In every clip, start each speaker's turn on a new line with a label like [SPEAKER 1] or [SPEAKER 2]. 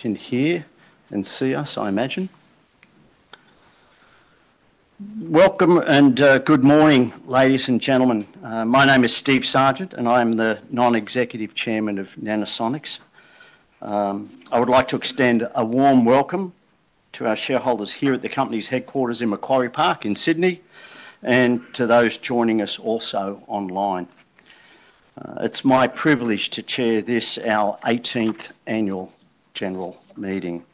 [SPEAKER 1] Can hear and see us, I imagine. Welcome and good morning, ladies and gentlemen. My name is Steve Sargent, and I am the Non-executive Chairman of Nanosonics. I would like to extend a warm welcome to our shareholders here at the company's headquarters in Macquarie Park in Sydney, and to those joining us also online. It's my privilege to chair this our 18th annual general meeting.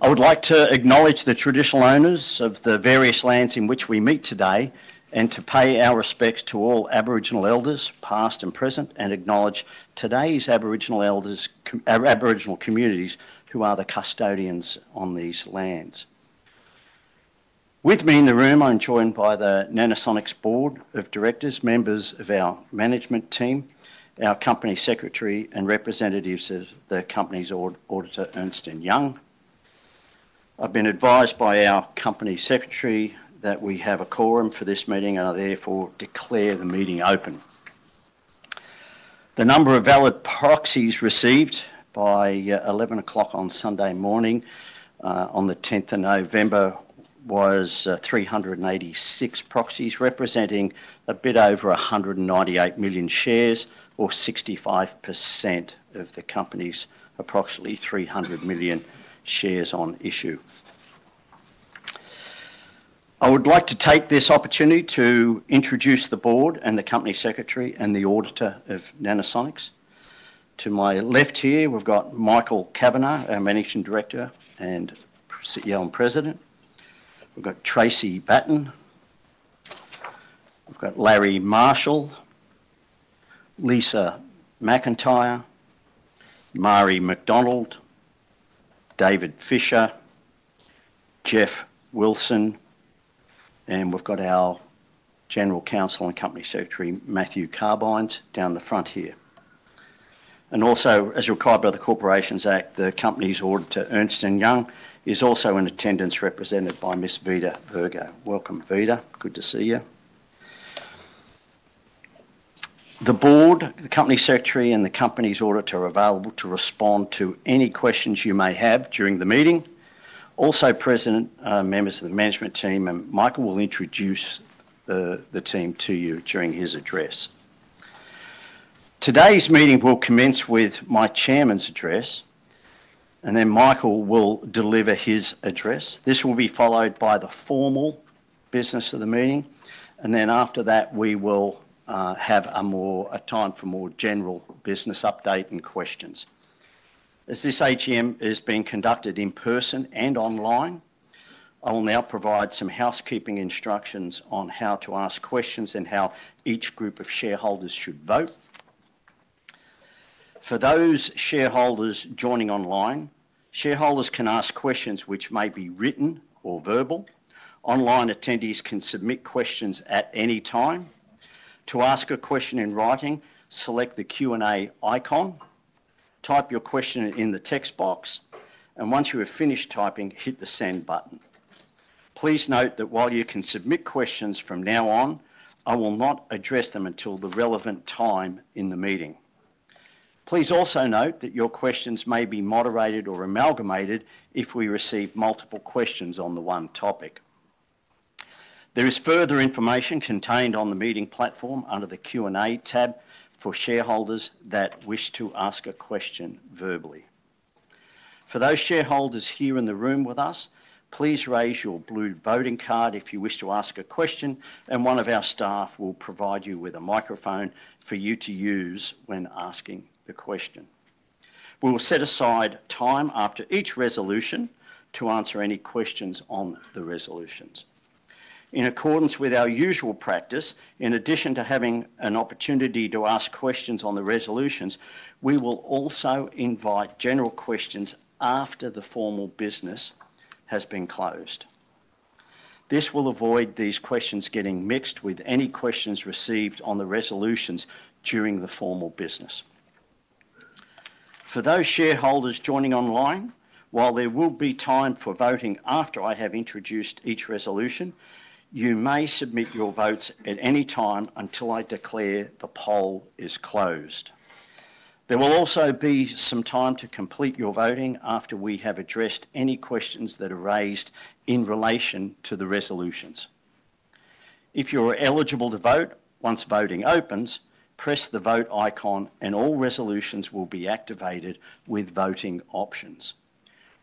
[SPEAKER 1] I would like to acknowledge the traditional owners of the various lands in which we meet today, and to pay our respects to all Aboriginal elders, past and present, and acknowledge today's Aboriginal communities who are the custodians on these lands. With me in the room, I'm joined by the Nanosonics Board of Directors, members of our management team, our company secretary, and representatives of the company's auditor, Ernst & Young. I've been advised by our company secretary that we have a quorum for this meeting, and I therefore declare the meeting open. The number of valid proxies received by 11:00 A.M. on Sunday morning on the 10th of November was 386 proxies, representing a bit over 198 million shares, or 65% of the company's approximately 300 million shares on issue. I would like to take this opportunity to introduce the board and the company secretary and the auditor of Nanosonics. To my left here, we've got Michael Kavanagh, our Managing Director and President. We've got Tracey Batten. We've got Larry Marshall, Lisa McIntyre, Marie McDonald, David Fisher, Geoff Wilson, and we've got our general counsel and company secretary, Matthew Carbines, down the front here. And also, as required by the Corporations Act, the company's auditor, Ernst & Young, is also in attendance, represented by Miss Vida Virgo. Welcome, Vida. Good to see you. The board, the company secretary, and the company's auditor are available to respond to any questions you may have during the meeting. Also, President, members of the management team, and Michael will introduce the team to you during his address. Today's meeting will commence with my Chairman's address, and then Michael will deliver his address. This will be followed by the formal business of the meeting, and then after that, we will have a time for more general business update and questions. As this AGM is being conducted in person and online, I will now provide some housekeeping instructions on how to ask questions and how each group of shareholders should vote. For those shareholders joining online, shareholders can ask questions which may be written or verbal. Online attendees can submit questions at any time. To ask a question in writing, select the Q&A icon, type your question in the text box, and once you have finished typing, hit the send button. Please note that while you can submit questions from now on, I will not address them until the relevant time in the meeting. Please also note that your questions may be moderated or amalgamated if we receive multiple questions on the one topic. There is further information contained on the meeting platform under the Q&A tab for shareholders that wish to ask a question verbally. For those shareholders here in the room with us, please raise your blue voting card if you wish to ask a question, and one of our staff will provide you with a microphone for you to use when asking the question. We will set aside time after each resolution to answer any questions on the resolutions. In accordance with our usual practice, in addition to having an opportunity to ask questions on the resolutions, we will also invite general questions after the formal business has been closed. This will avoid these questions getting mixed with any questions received on the resolutions during the formal business. For those shareholders joining online, while there will be time for voting after I have introduced each resolution, you may submit your votes at any time until I declare the poll is closed. There will also be some time to complete your voting after we have addressed any questions that are raised in relation to the resolutions. If you are eligible to vote, once voting opens, press the vote icon, and all resolutions will be activated with voting options.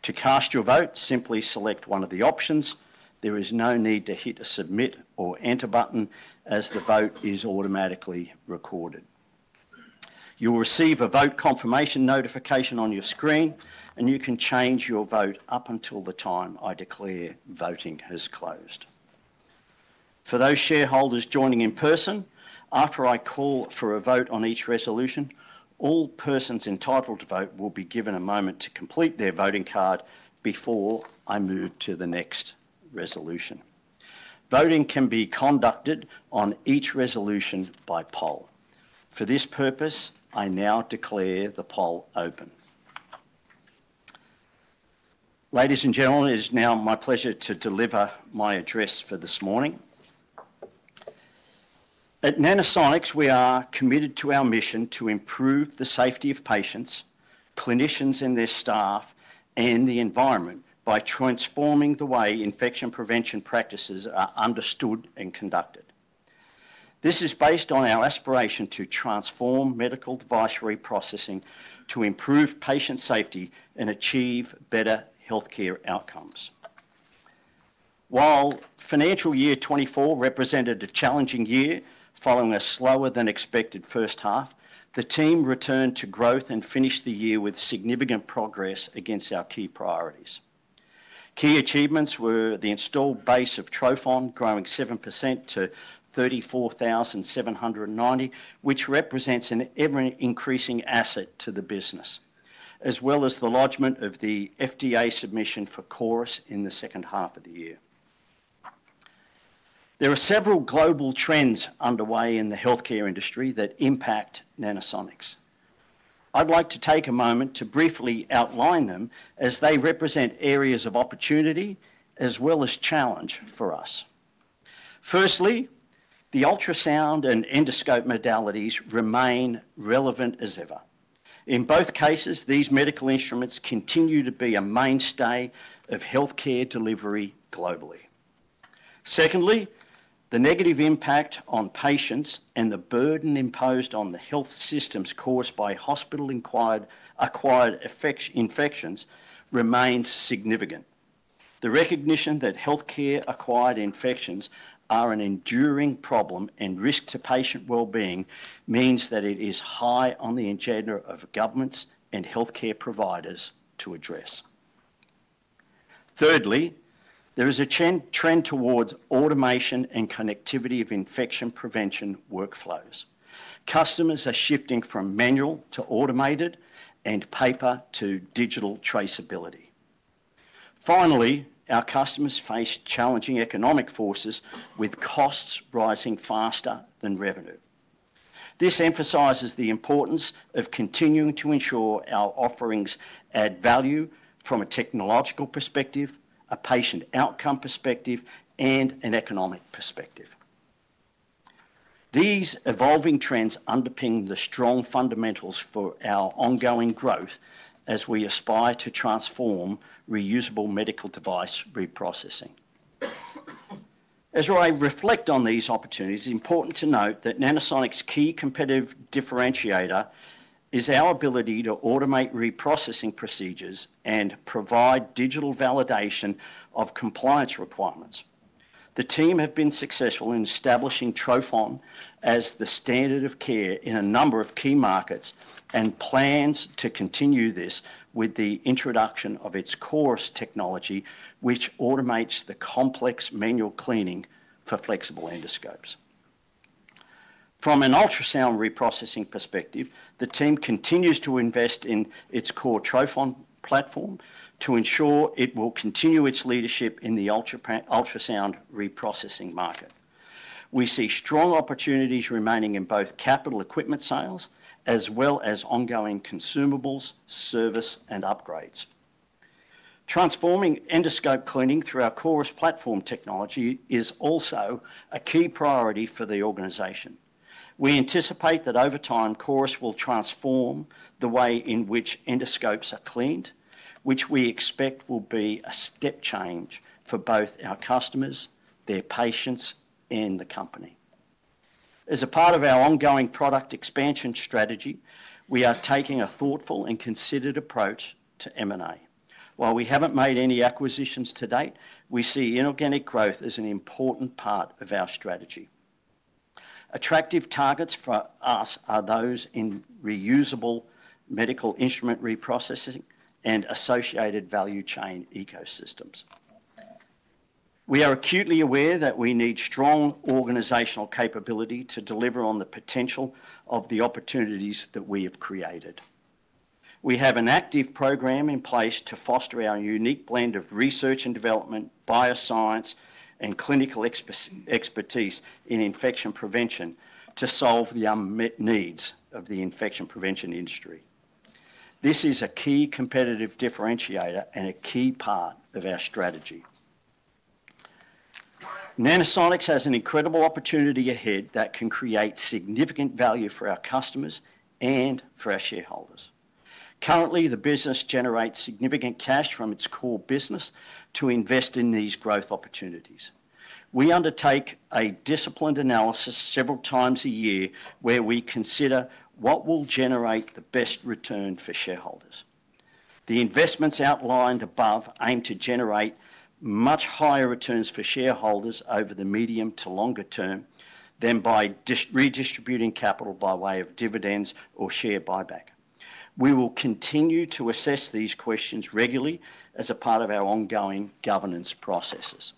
[SPEAKER 1] To cast your vote, simply select one of the options. There is no need to hit a submit or enter button as the vote is automatically recorded. You'll receive a vote confirmation notification on your screen, and you can change your vote up until the time I declare voting has closed. For those shareholders joining in person, after I call for a vote on each resolution, all persons entitled to vote will be given a moment to complete their voting card before I move to the next resolution. Voting can be conducted on each resolution by poll. For this purpose, I now declare the poll open. Ladies and gentlemen, it is now my pleasure to deliver my address for this morning. At Nanosonics, we are committed to our mission to improve the safety of patients, clinicians and their staff, and the environment by transforming the way infection prevention practices are understood and conducted. This is based on our aspiration to transform medical device reprocessing to improve patient safety and achieve better healthcare outcomes. While financial year 2024 represented a challenging year following a slower than expected first half, the team returned to growth and finished the year with significant progress against our key priorities. Key achievements were the installed base of trophon growing 7% to 34,790, which represents an ever-increasing asset to the business, as well as the lodgement of the FDA submission for CORIS in the second half of the year. There are several global trends underway in the healthcare industry that impact Nanosonics. I'd like to take a moment to briefly outline them as they represent areas of opportunity as well as challenge for us. Firstly, the ultrasound and endoscope modalities remain relevant as ever. In both cases, these medical instruments continue to be a mainstay of healthcare delivery globally. Secondly, the negative impact on patients and the burden imposed on the health systems caused by hospital-acquired infections remains significant. The recognition that healthcare-acquired infections are an enduring problem and risk to patient well-being means that it is high on the agenda of governments and healthcare providers to address. Thirdly, there is a trend towards automation and connectivity of infection prevention workflows. Customers are shifting from manual to automated and paper to digital traceability. Finally, our customers face challenging economic forces with costs rising faster than revenue. This emphasizes the importance of continuing to ensure our offerings add value from a technological perspective, a patient outcome perspective, and an economic perspective. These evolving trends underpin the strong fundamentals for our ongoing growth as we aspire to transform reusable medical device reprocessing. As I reflect on these opportunities, it's important to note that Nanosonics' key competitive differentiator is our ability to automate reprocessing procedures and provide digital validation of compliance requirements. The team have been successful in establishing trophon as the standard of care in a number of key markets and plans to continue this with the introduction of its CORIS technology, which automates the complex manual cleaning for flexible endoscopes. From an ultrasound reprocessing perspective, the team continues to invest in its core trophon platform to ensure it will continue its leadership in the ultrasound reprocessing market. We see strong opportunities remaining in both capital equipment sales as well as ongoing consumables, service, and upgrades. Transforming endoscope cleaning through our CORIS platform technology is also a key priority for the organization. We anticipate that over time, CORIS will transform the way in which endoscopes are cleaned, which we expect will be a step change for both our customers, their patients, and the company. As a part of our ongoing product expansion strategy, we are taking a thoughtful and considered approach to M&A. While we haven't made any acquisitions to date, we see inorganic growth as an important part of our strategy. Attractive targets for us are those in reusable medical instrument reprocessing and associated value chain ecosystems. We are acutely aware that we need strong organizational capability to deliver on the potential of the opportunities that we have created. We have an active program in place to foster our unique blend of research and development, bioscience, and clinical expertise in infection prevention to solve the unmet needs of the infection prevention industry. This is a key competitive differentiator and a key part of our strategy. Nanosonics has an incredible opportunity ahead that can create significant value for our customers and for our shareholders. Currently, the business generates significant cash from its core business to invest in these growth opportunities. We undertake a disciplined analysis several times a year where we consider what will generate the best return for shareholders. The investments outlined above aim to generate much higher returns for shareholders over the medium to longer term than by redistributing capital by way of dividends or share buyback. We will continue to assess these questions regularly as a part of our ongoing governance processes.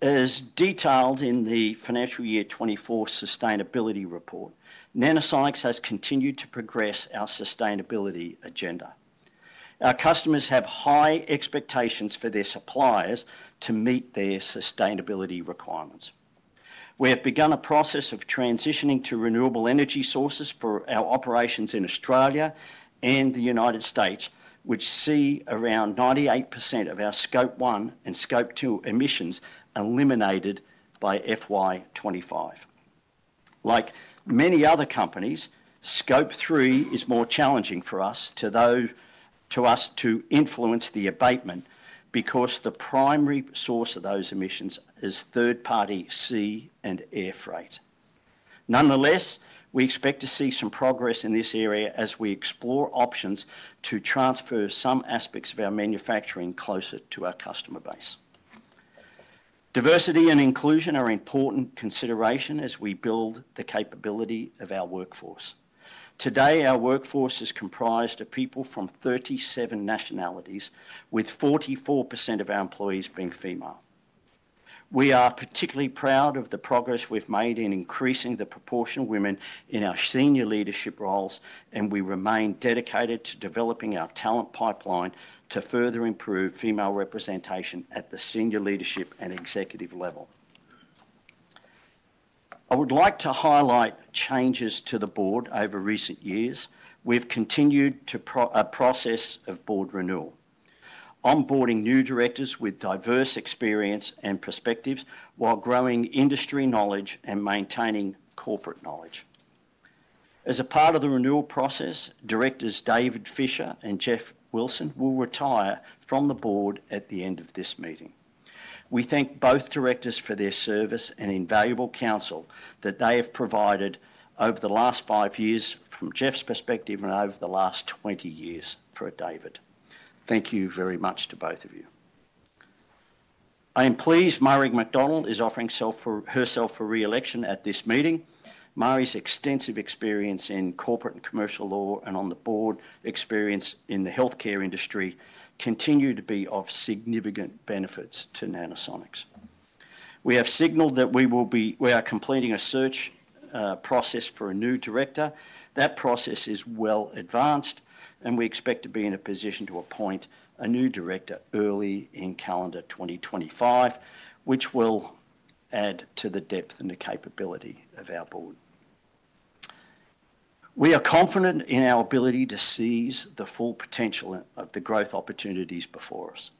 [SPEAKER 1] As detailed in the financial year 2024 sustainability report, Nanosonics has continued to progress our sustainability agenda. Our customers have high expectations for their suppliers to meet their sustainability requirements. We have begun a process of transitioning to renewable energy sources for our operations in Australia and the United States, which see around 98% of our Scope 1 and Scope 2 emissions eliminated by FY 2025. Like many other companies, Scope 3 is more challenging for us to influence the abatement because the primary source of those emissions is third-party sea and air freight. Nonetheless, we expect to see some progress in this area as we explore options to transfer some aspects of our manufacturing closer to our customer base. Diversity and inclusion are an important consideration as we build the capability of our workforce. Today, our workforce is comprised of people from 37 nationalities, with 44% of our employees being female. We are particularly proud of the progress we've made in increasing the proportion of women in our senior leadership roles, and we remain dedicated to developing our talent pipeline to further improve female representation at the senior leadership and executive level. I would like to highlight changes to the board over recent years. We've continued to process a board renewal, onboarding new directors with diverse experience and perspectives while growing industry knowledge and maintaining corporate knowledge. As a part of the renewal process, directors David Fisher and Geoff Wilson will retire from the board at the end of this meeting. We thank both directors for their service and invaluable counsel that they have provided over the last five years from Geoff's perspective and over the last 20 years for David. Thank you very much to both of you. I am pleased Marie McDonald is offering herself for reelection at this meeting. Marie's extensive experience in corporate and commercial law and on the board experience in the healthcare industry continue to be of significant benefits to Nanosonics. We have signaled that we are completing a search process for a new director. That process is well advanced, and we expect to be in a position to appoint a new director early in calendar 2025, which will add to the depth and the capability of our board. We are confident in our ability to seize the full potential of the growth opportunities before us.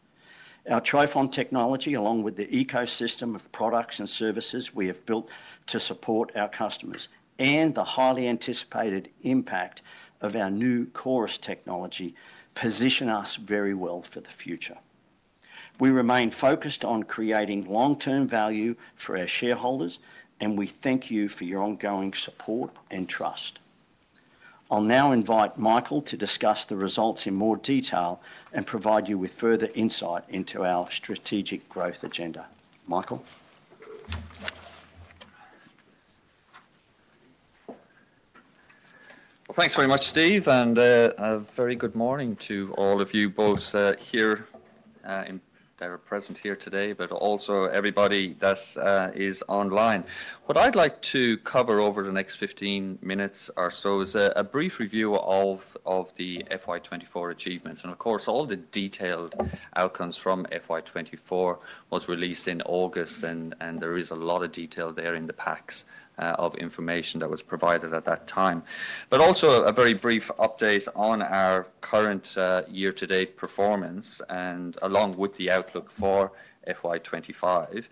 [SPEAKER 1] Our trophon technology, along with the ecosystem of products and services we have built to support our customers and the highly anticipated impact of our new CORIS technology, position us very well for the future. We remain focused on creating long-term value for our shareholders, and we thank you for your ongoing support and trust. I'll now invite Michael to discuss the results in more detail and provide you with further insight into our strategic growth agenda. Michael.
[SPEAKER 2] Thanks very much, Steve, and a very good morning to all of you both here that are present here today, but also everybody that is online. What I'd like to cover over the next 15 minutes or so is a brief review of the FY 2024 achievements, and of course, all the detailed outcomes from FY 2024 was released in August, and there is a lot of detail there in the packs of information that was provided at that time. But also a very brief update on our current year-to-date performance and along with the outlook for FY 2025.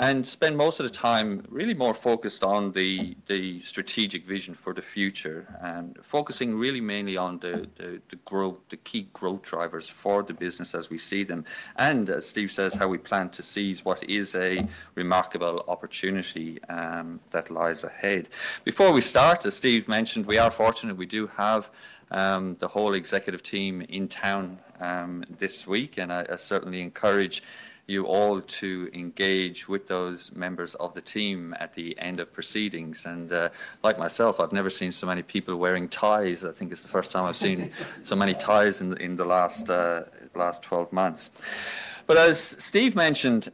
[SPEAKER 2] And spend most of the time really more focused on the strategic vision for the future and focusing really mainly on the key growth drivers for the business as we see them, and as Steve says, how we plan to seize what is a remarkable opportunity that lies ahead. Before we start, as Steve mentioned, we are fortunate we do have the whole executive team in town this week, and I certainly encourage you all to engage with those members of the team at the end of proceedings, and like myself, I've never seen so many people wearing ties. I think it's the first time I've seen so many ties in the last 12 months, but as Steve mentioned,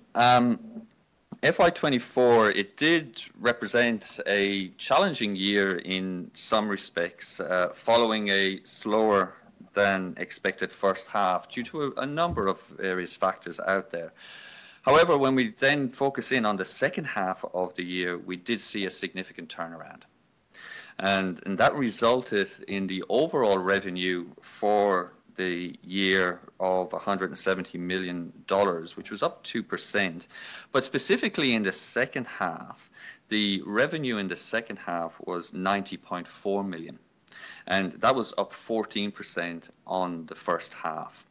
[SPEAKER 2] FY 2024, it did represent a challenging year in some respects following a slower than expected first half due to a number of various factors out there. However, when we then focus in on the second half of the year, we did see a significant turnaround, and that resulted in the overall revenue for the year of 170 million dollars, which was up 2%, but specifically in the second half, the revenue in the second half was 90.4 million, and that was up 14% on the first half,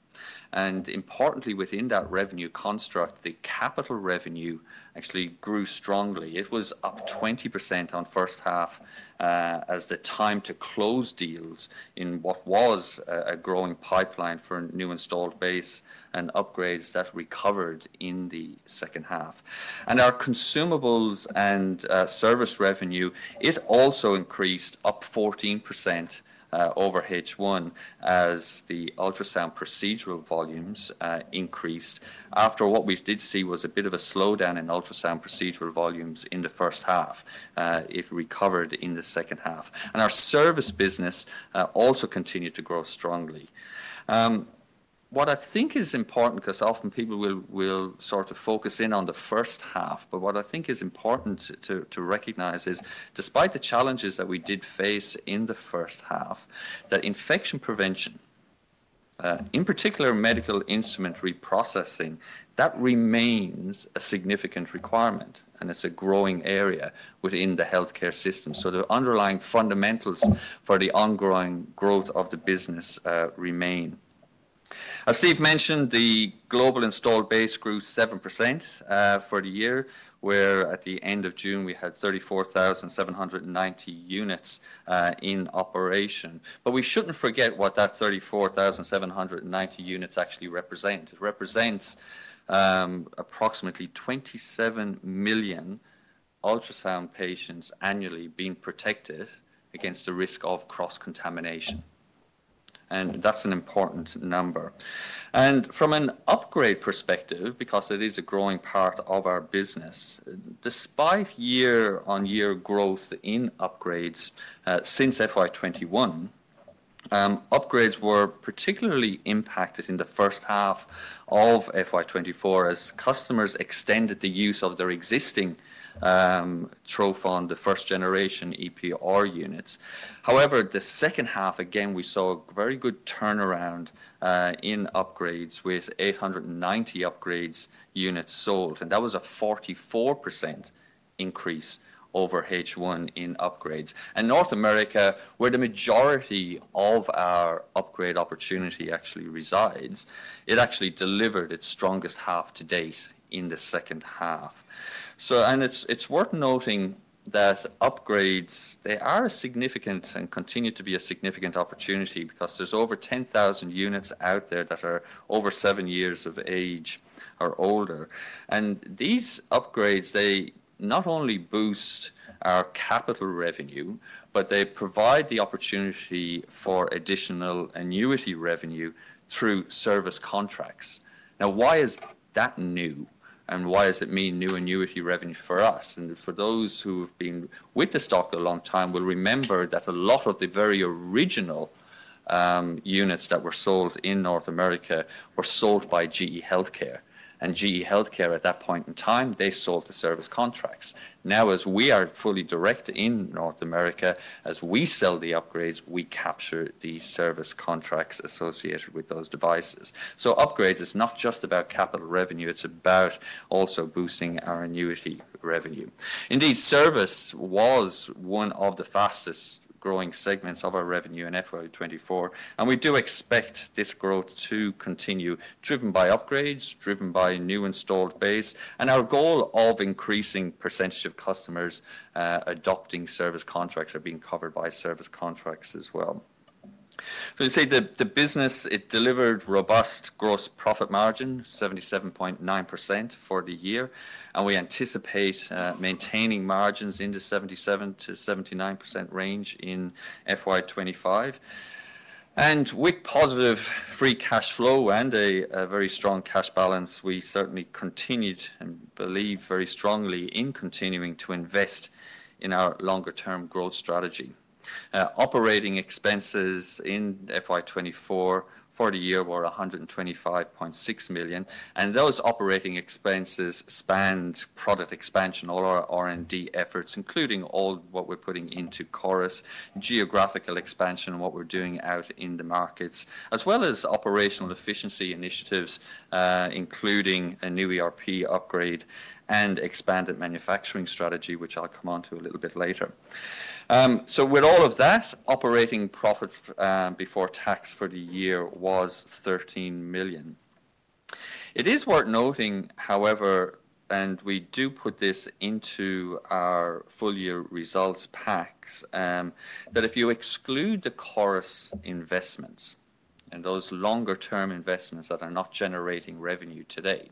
[SPEAKER 2] and importantly, within that revenue construct, the capital revenue actually grew strongly. It was up 20% on first half as the time to close deals in what was a growing pipeline for new installed base and upgrades that recovered in the second half, and our consumables and service revenue, it also increased up 14% over H1 as the ultrasound procedural volumes increased after what we did see was a bit of a slowdown in ultrasound procedural volumes in the first half. It recovered in the second half. Our service business also continued to grow strongly. What I think is important, because often people will sort of focus in on the first half, but what I think is important to recognize is despite the challenges that we did face in the first half, that infection prevention, in particular medical instrument reprocessing, that remains a significant requirement and it's a growing area within the healthcare system. The underlying fundamentals for the ongoing growth of the business remain. As Steve mentioned, the global installed base grew 7% for the year, where at the end of June, we had 34,790 units in operation. We shouldn't forget what that 34,790 units actually represent. It represents approximately 27 million ultrasound patients annually being protected against the risk of cross-contamination. That's an important number. From an upgrade perspective, because it is a growing part of our business, despite year-on-year growth in upgrades since FY21, upgrades were particularly impacted in the first half of FY 2024 as customers extended the use of their existing trophon, the first-generation EPR units. However, the second half, again, we saw a very good turnaround in upgrades with 890 upgrades units sold. And that was a 44% increase over H1 in upgrades. And North America, where the majority of our upgrade opportunity actually resides, it actually delivered its strongest half to date in the second half. And it's worth noting that upgrades, they are significant and continue to be a significant opportunity because there's over 10,000 units out there that are over seven years of age or older. And these upgrades, they not only boost our capital revenue, but they provide the opportunity for additional annuity revenue through service contracts. Now, why is that new and why does it mean new annuity revenue for us? For those who have been with the stock a long time, we'll remember that a lot of the very original units that were sold in North America were sold by GE Healthcare. GE Healthcare at that point in time, they sold the service contracts. Now, as we are fully direct in North America, as we sell the upgrades, we capture the service contracts associated with those devices. Upgrades is not just about capital revenue, it's about also boosting our annuity revenue. Indeed, service was one of the fastest growing segments of our revenue in FY 2024. We do expect this growth to continue driven by upgrades, driven by new installed base. Our goal of increasing percentage of customers adopting service contracts are being covered by service contracts as well. You see the business. It delivered robust gross profit margin, 77.9% for the year. We anticipate maintaining margins in the 77%-79% range in FY 2025. With positive free cash flow and a very strong cash balance, we certainly continued and believe very strongly in continuing to invest in our longer-term growth strategy. Operating expenses in FY 2024 for the year were 125.6 million. Those operating expenses spanned product expansion, all our R&D efforts, including all what we're putting into CORIS, geographical expansion, what we're doing out in the markets, as well as operational efficiency initiatives, including a new ERP upgrade and expanded manufacturing strategy, which I'll come on to a little bit later. With all of that, operating profit before tax for the year was 13 million. It is worth noting, however, and we do put this into our full-year results packs, that if you exclude the CORIS investments and those longer-term investments that are not generating revenue today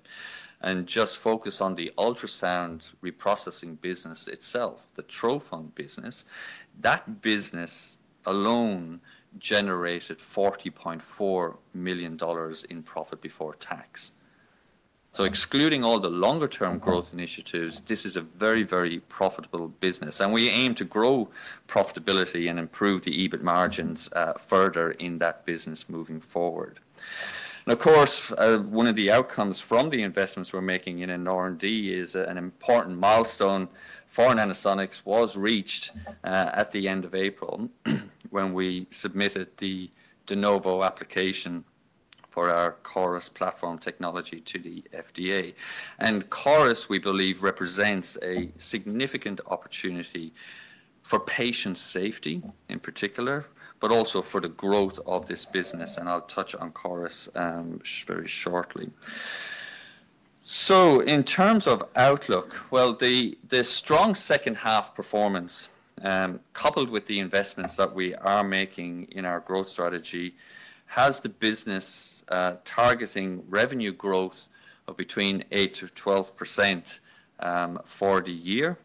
[SPEAKER 2] and just focus on the ultrasound reprocessing business itself, the trophon business, that business alone generated 40.4 million dollars in profit before tax. So excluding all the longer-term growth initiatives, this is a very, very profitable business. And we aim to grow profitability and improve the EBIT margins further in that business moving forward. And of course, one of the outcomes from the investments we're making in R&D is an important milestone for Nanosonics was reached at the end of April when we submitted the De Novo application for our CORIS platform technology to the FDA. And CORIS, we believe, represents a significant opportunity for patient safety in particular, but also for the growth of this business. I'll touch on CORIS very shortly. In terms of outlook, well, the strong second half performance coupled with the investments that we are making in our growth strategy has the business targeting revenue growth of between 8%-12% for the year.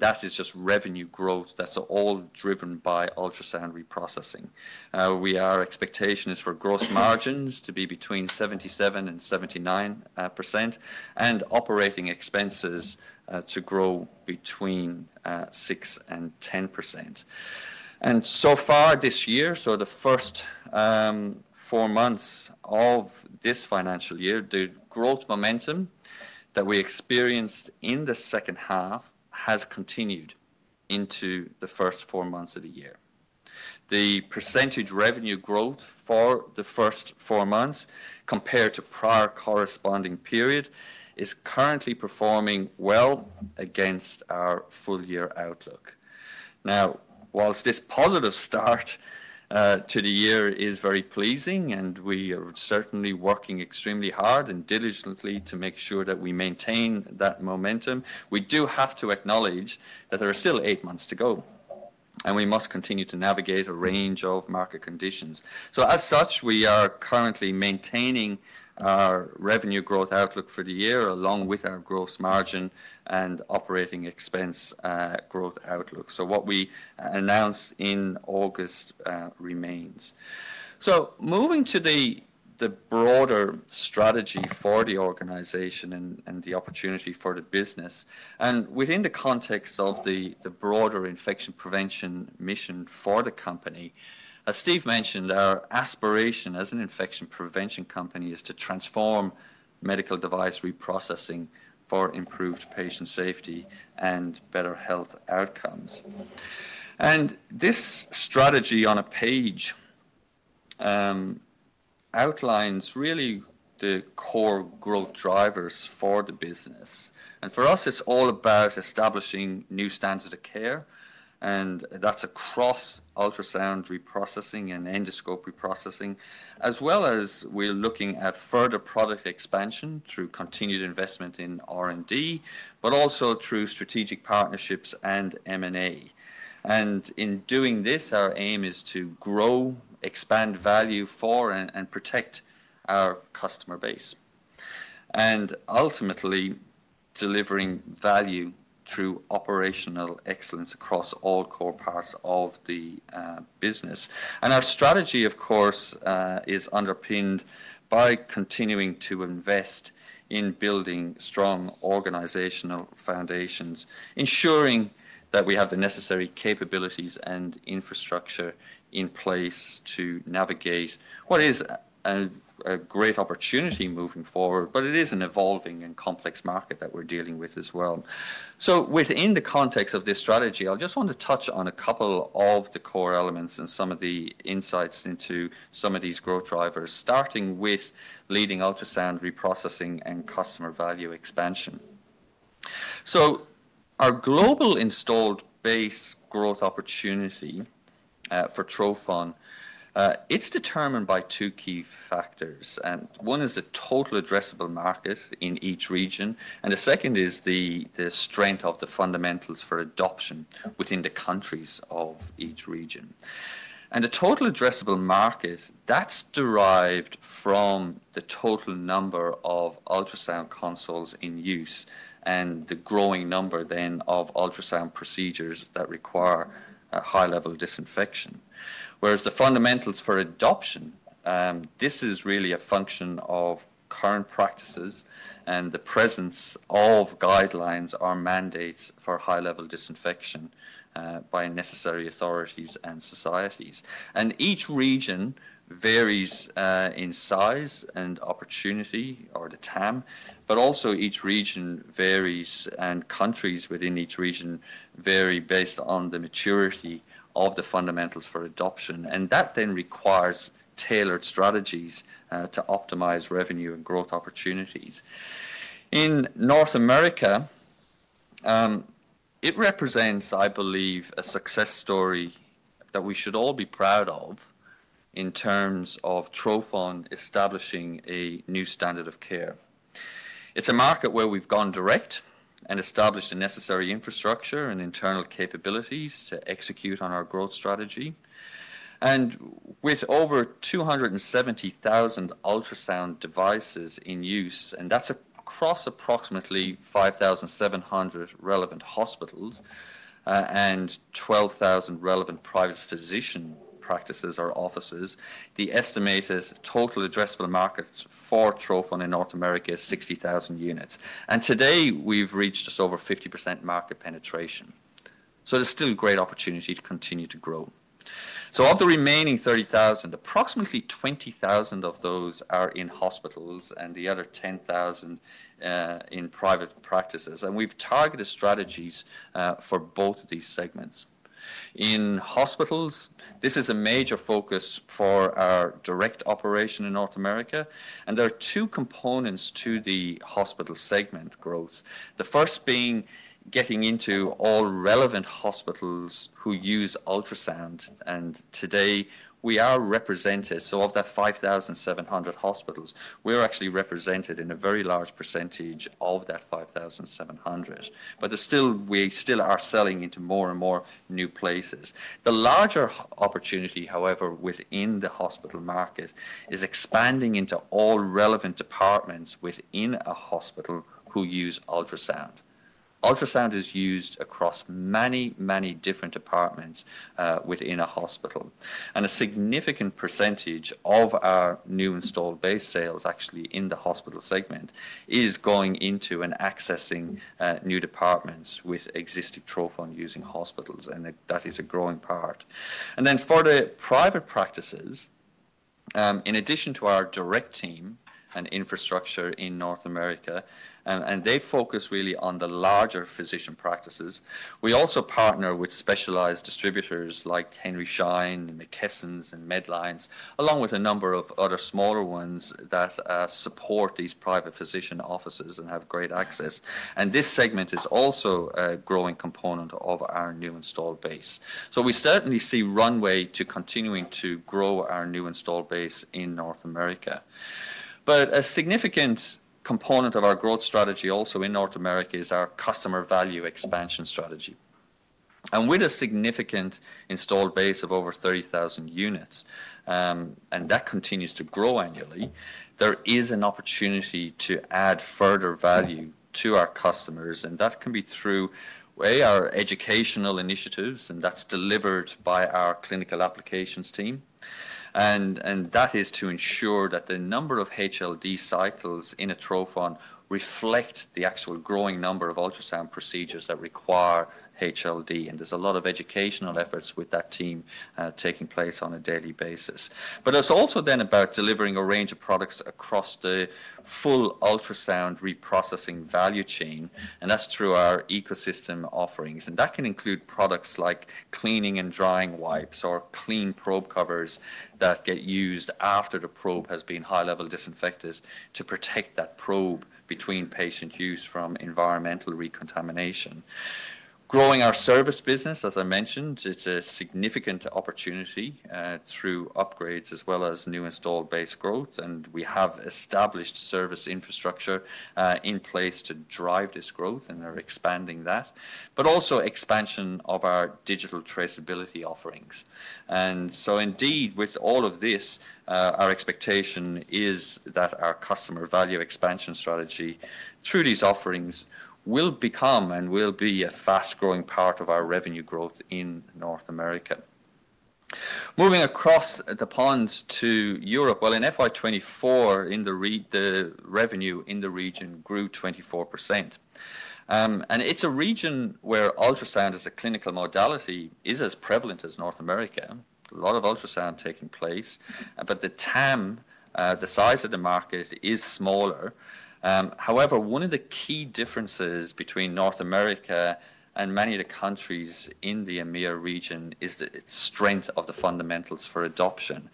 [SPEAKER 2] That is just revenue growth that's all driven by ultrasound reprocessing. Our expectation is for gross margins to be between 77%-79% and operating expenses to grow between 6%-10%. So far this year, so the first four months of this financial year, the growth momentum that we experienced in the second half has continued into the first four months of the year. The percentage revenue growth for the first four months compared to prior corresponding period is currently performing well against our full-year outlook. Now, while this positive start to the year is very pleasing and we are certainly working extremely hard and diligently to make sure that we maintain that momentum, we do have to acknowledge that there are still eight months to go. And we must continue to navigate a range of market conditions. So as such, we are currently maintaining our revenue growth outlook for the year along with our gross margin and operating expense growth outlook. So what we announced in August remains. So moving to the broader strategy for the organization and the opportunity for the business. And within the context of the broader infection prevention mission for the company, as Steve mentioned, our aspiration as an infection prevention company is to transform medical device reprocessing for improved patient safety and better health outcomes. And this strategy on a page outlines really the core growth drivers for the business. For us, it's all about establishing new standards of care. That's across ultrasound reprocessing and endoscope reprocessing, as well as we're looking at further product expansion through continued investment in R&D, but also through strategic partnerships and M&A. In doing this, our aim is to grow, expand value for, and protect our customer base. Ultimately, delivering value through operational excellence across all core parts of the business. Our strategy, of course, is underpinned by continuing to invest in building strong organizational foundations, ensuring that we have the necessary capabilities and infrastructure in place to navigate what is a great opportunity moving forward, but it is an evolving and complex market that we're dealing with as well. Within the context of this strategy, I just want to touch on a couple of the core elements and some of the insights into some of these growth drivers, starting with leading ultrasound reprocessing and customer value expansion. Our global installed base growth opportunity for trophon, it's determined by two key factors. One is the total addressable market in each region. The second is the strength of the fundamentals for adoption within the countries of each region. The total addressable market, that's derived from the total number of ultrasound consoles in use and the growing number then of ultrasound procedures that require high-level disinfection. Whereas the fundamentals for adoption, this is really a function of current practices and the presence of guidelines or mandates for high-level disinfection by necessary authorities and societies. And each region varies in size and opportunity or the TAM, but also each region varies and countries within each region vary based on the maturity of the fundamentals for adoption. And that then requires tailored strategies to optimize revenue and growth opportunities. In North America, it represents, I believe, a success story that we should all be proud of in terms of trophon establishing a new standard of care. It's a market where we've gone direct and established a necessary infrastructure and internal capabilities to execute on our growth strategy. And with over 270,000 ultrasound devices in use, and that's across approximately 5,700 relevant hospitals and 12,000 relevant private physician practices or offices, the estimated total addressable market for trophon in North America is 60,000 units. And today, we've reached just over 50% market penetration. So there's still great opportunity to continue to grow. Of the remaining 30,000, approximately 20,000 of those are in hospitals and the other 10,000 in private practices. We have targeted strategies for both of these segments. In hospitals, this is a major focus for our direct operation in North America. There are two components to the hospital segment growth. The first being getting into all relevant hospitals who use ultrasound. Today, we are represented. Of that 5,700 hospitals, we are actually represented in a very large percentage of that 5,700. We still are selling into more and more new places. The larger opportunity, however, within the hospital market is expanding into all relevant departments within a hospital who use ultrasound. Ultrasound is used across many, many different departments within a hospital. A significant percentage of our new installed base sales actually in the hospital segment is going into and accessing new departments with existing trophon-using hospitals. And that is a growing part. And then for the private practices, in addition to our direct team and infrastructure in North America, and they focus really on the larger physician practices, we also partner with specialized distributors like Henry Schein and McKesson and Medline, along with a number of other smaller ones that support these private physician offices and have great access. And this segment is also a growing component of our new installed base. So we certainly see runway to continuing to grow our new installed base in North America. But a significant component of our growth strategy also in North America is our customer value expansion strategy. And with a significant installed base of over 30,000 units, and that continues to grow annually, there is an opportunity to add further value to our customers. And that can be through, A, our educational initiatives, and that's delivered by our clinical applications team. And that is to ensure that the number of HLD cycles in a trophon reflects the actual growing number of ultrasound procedures that require HLD. And there's a lot of educational efforts with that team taking place on a daily basis. But it's also then about delivering a range of products across the full ultrasound reprocessing value chain. And that's through our ecosystem offerings. And that can include products like cleaning and drying wipes or clean probe covers that get used after the probe has been high-level disinfected to protect that probe between patient use from environmental recontamination. Growing our service business, as I mentioned, it's a significant opportunity through upgrades as well as new installed base growth, and we have established service infrastructure in place to drive this growth, and they're expanding that, but also expansion of our digital traceability offerings, and so indeed, with all of this, our expectation is that our customer value expansion strategy through these offerings will become and will be a fast-growing part of our revenue growth in North America, moving across the pond to Europe, well, in FY 2024, the revenue in the region grew 24%, and it's a region where ultrasound as a clinical modality is as prevalent as North America. A lot of ultrasound taking place, but the TAM, the size of the market, is smaller. However, one of the key differences between North America and many of the countries in the EMEA region is the strength of the fundamentals for adoption,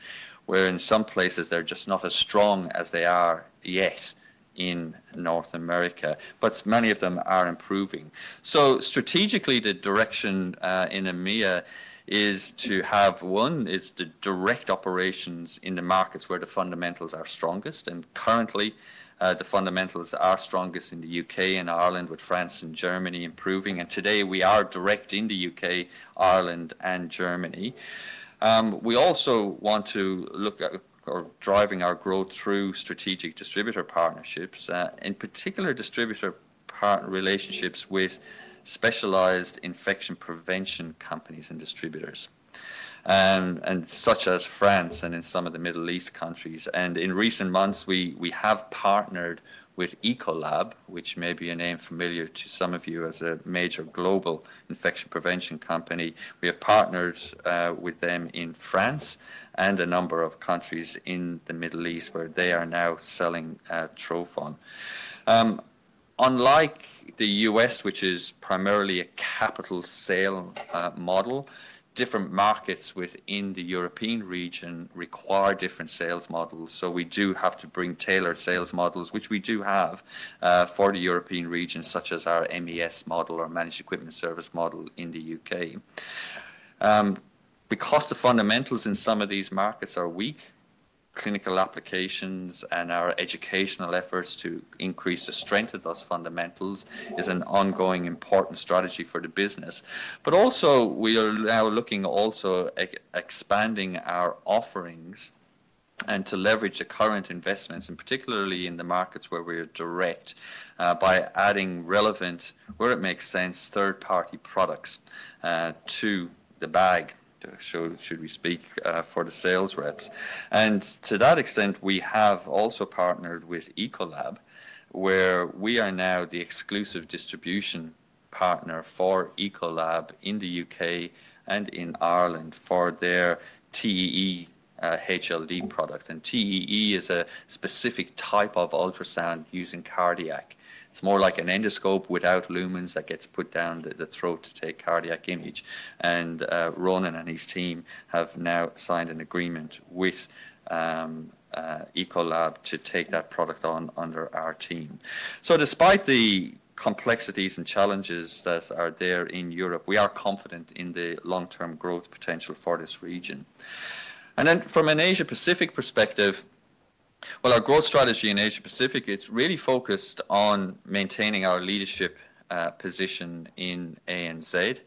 [SPEAKER 2] where in some places they're just not as strong as they are yet in North America, but many of them are improving, so strategically, the direction in EMEA is to have, one, it's the direct operations in the markets where the fundamentals are strongest, and currently, the fundamentals are strongest in the UK and Ireland with France and Germany improving, and today, we are direct in the UK, Ireland, and Germany. We also want to look at driving our growth through strategic distributor partnerships, in particular distributor partner relationships with specialized infection prevention companies and distributors, such as France and in some of the Middle East countries. In recent months, we have partnered with Ecolab, which may be a name familiar to some of you as a major global infection prevention company. We have partnered with them in France and a number of countries in the Middle East where they are now selling trophon. Unlike the U.S., which is primarily a capital sale model, different markets within the European region require different sales models. So we do have to bring tailored sales models, which we do have for the European region, such as our MES model or managed equipment service model in the U.K. Because the fundamentals in some of these markets are weak, clinical applications and our educational efforts to increase the strength of those fundamentals is an ongoing important strategy for the business. But also, we are now looking also at expanding our offerings and to leverage the current investments, and particularly in the markets where we are direct, by adding relevant, where it makes sense, third-party products to the bag, as we speak, for the sales reps. And to that extent, we have also partnered with Ecolab, where we are now the exclusive distribution partner for Ecolab in the UK and in Ireland for their TEE HLD product. And TEE is a specific type of ultrasound using cardiac. It's more like an endoscope without lumens that gets put down the throat to take cardiac image. And Ronan and his team have now signed an agreement with Ecolab to take that product on under our team. So despite the complexities and challenges that are there in Europe, we are confident in the long-term growth potential for this region. From an Asia-Pacific perspective, our growth strategy in Asia-Pacific is really focused on maintaining our leadership position in ANZ.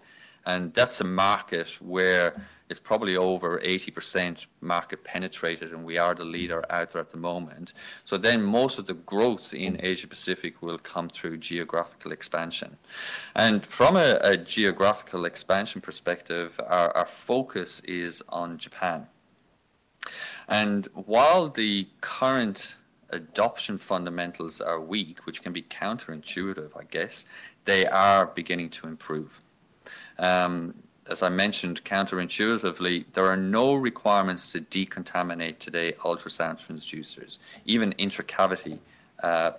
[SPEAKER 2] That is a market where it is probably over 80% market penetrated, and we are the leader out there at the moment. Most of the growth in Asia-Pacific will come through geographical expansion. From a geographical expansion perspective, our focus is on Japan. While the current adoption fundamentals are weak, which can be counterintuitive, I guess, they are beginning to improve. As I mentioned, counterintuitively, there are no requirements to decontaminate today ultrasound transducers, even intracavity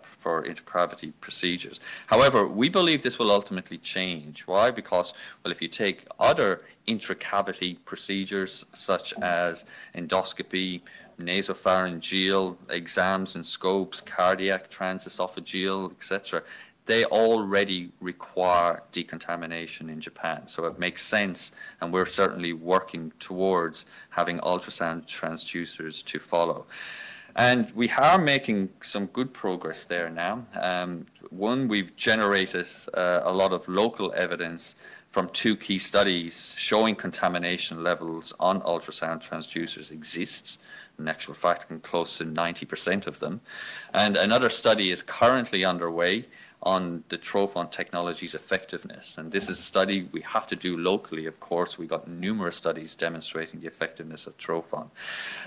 [SPEAKER 2] for intracavity procedures. However, we believe this will ultimately change. Why? Because, well, if you take other intracavity procedures such as endoscopy, nasopharyngeal exams and scopes, cardiac transesophageal, etc., they already require decontamination in Japan. So it makes sense, and we are certainly working towards having ultrasound transducers to follow. We are making some good progress there now. One, we've generated a lot of local evidence from two key studies showing contamination levels on ultrasound transducers exist. In actual fact, close to 90% of them. Another study is currently underway on the trophon technology's effectiveness. This is a study we have to do locally. Of course, we've got numerous studies demonstrating the effectiveness of trophon.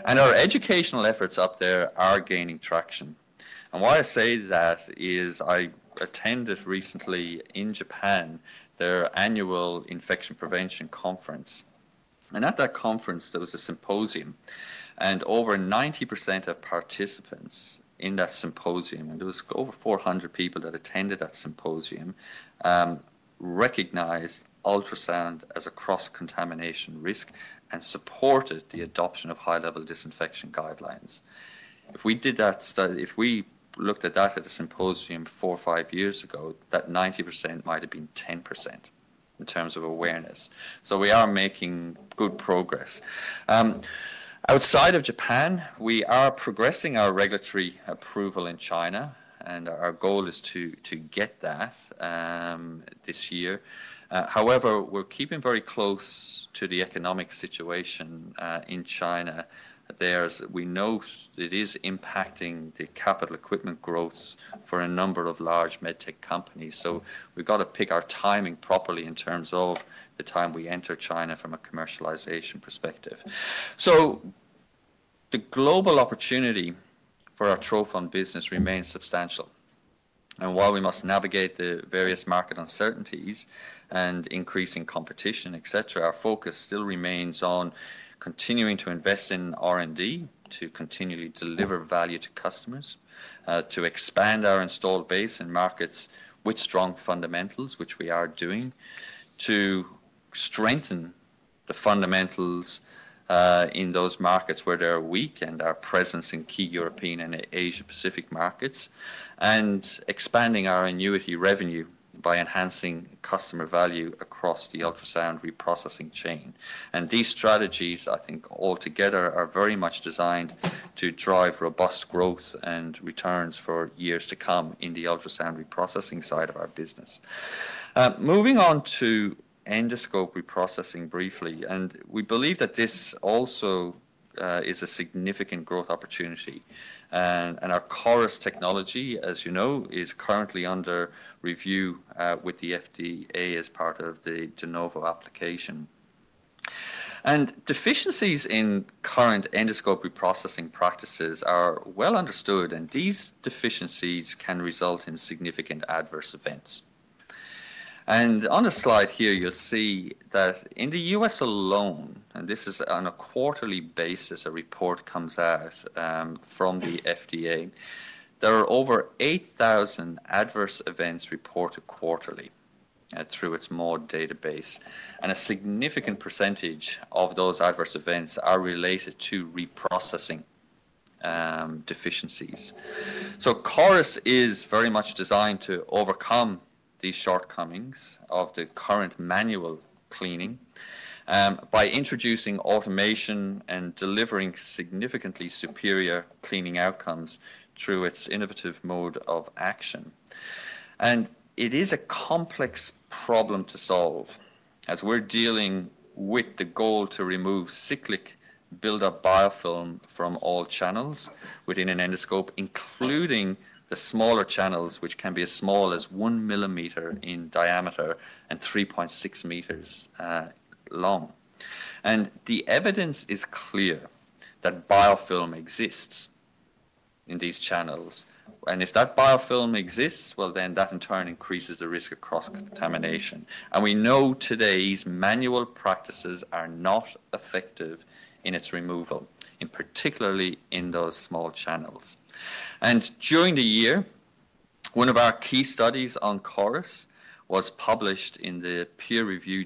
[SPEAKER 2] Our educational efforts up there are gaining traction. Why I say that is I attended recently in Japan their annual infection prevention conference. At that conference, there was a symposium. Over 90% of participants in that symposium, and there was over 400 people that attended that symposium, recognized ultrasound as a cross-contamination risk and supported the adoption of high-level disinfection guidelines. If we did that study, if we looked at that at a symposium four or five years ago, that 90% might have been 10% in terms of awareness. So we are making good progress. Outside of Japan, we are progressing our regulatory approval in China, and our goal is to get that this year. However, we're keeping very close to the economic situation in China. We know it is impacting the capital equipment growth for a number of large medtech companies. So we've got to pick our timing properly in terms of the time we enter China from a commercialization perspective. So the global opportunity for our trophon business remains substantial. And while we must navigate the various market uncertainties and increasing competition, etc., our focus still remains on continuing to invest in R&D to continually deliver value to customers, to expand our installed base and markets with strong fundamentals, which we are doing, to strengthen the fundamentals in those markets where they're weak and our presence in key European and Asia-Pacific markets, and expanding our annuity revenue by enhancing customer value across the ultrasound reprocessing chain. And these strategies, I think, altogether are very much designed to drive robust growth and returns for years to come in the ultrasound reprocessing side of our business. Moving on to endoscope reprocessing briefly, and we believe that this also is a significant growth opportunity. And our CORIS technology, as you know, is currently under review with the FDA as part of the De Novo application. Deficiencies in current endoscope reprocessing practices are well understood, and these deficiencies can result in significant adverse events. On the slide here, you'll see that in the U.S. alone, and this is on a quarterly basis, a report comes out from the FDA. There are over 8,000 adverse events reported quarterly through its MAUDE database. A significant percentage of those adverse events are related to reprocessing deficiencies. So CORIS is very much designed to overcome these shortcomings of the current manual cleaning by introducing automation and delivering significantly superior cleaning outcomes through its innovative mode of action. It is a complex problem to solve as we're dealing with the goal to remove cyclic buildup biofilm from all channels within an endoscope, including the smaller channels, which can be as small as one millimeter in diameter and 3.6 meters long. The evidence is clear that biofilm exists in these channels. If that biofilm exists, well, then that in turn increases the risk of cross-contamination. We know today's manual practices are not effective in its removal, particularly in those small channels. During the year, one of our key studies on CORIS was published in the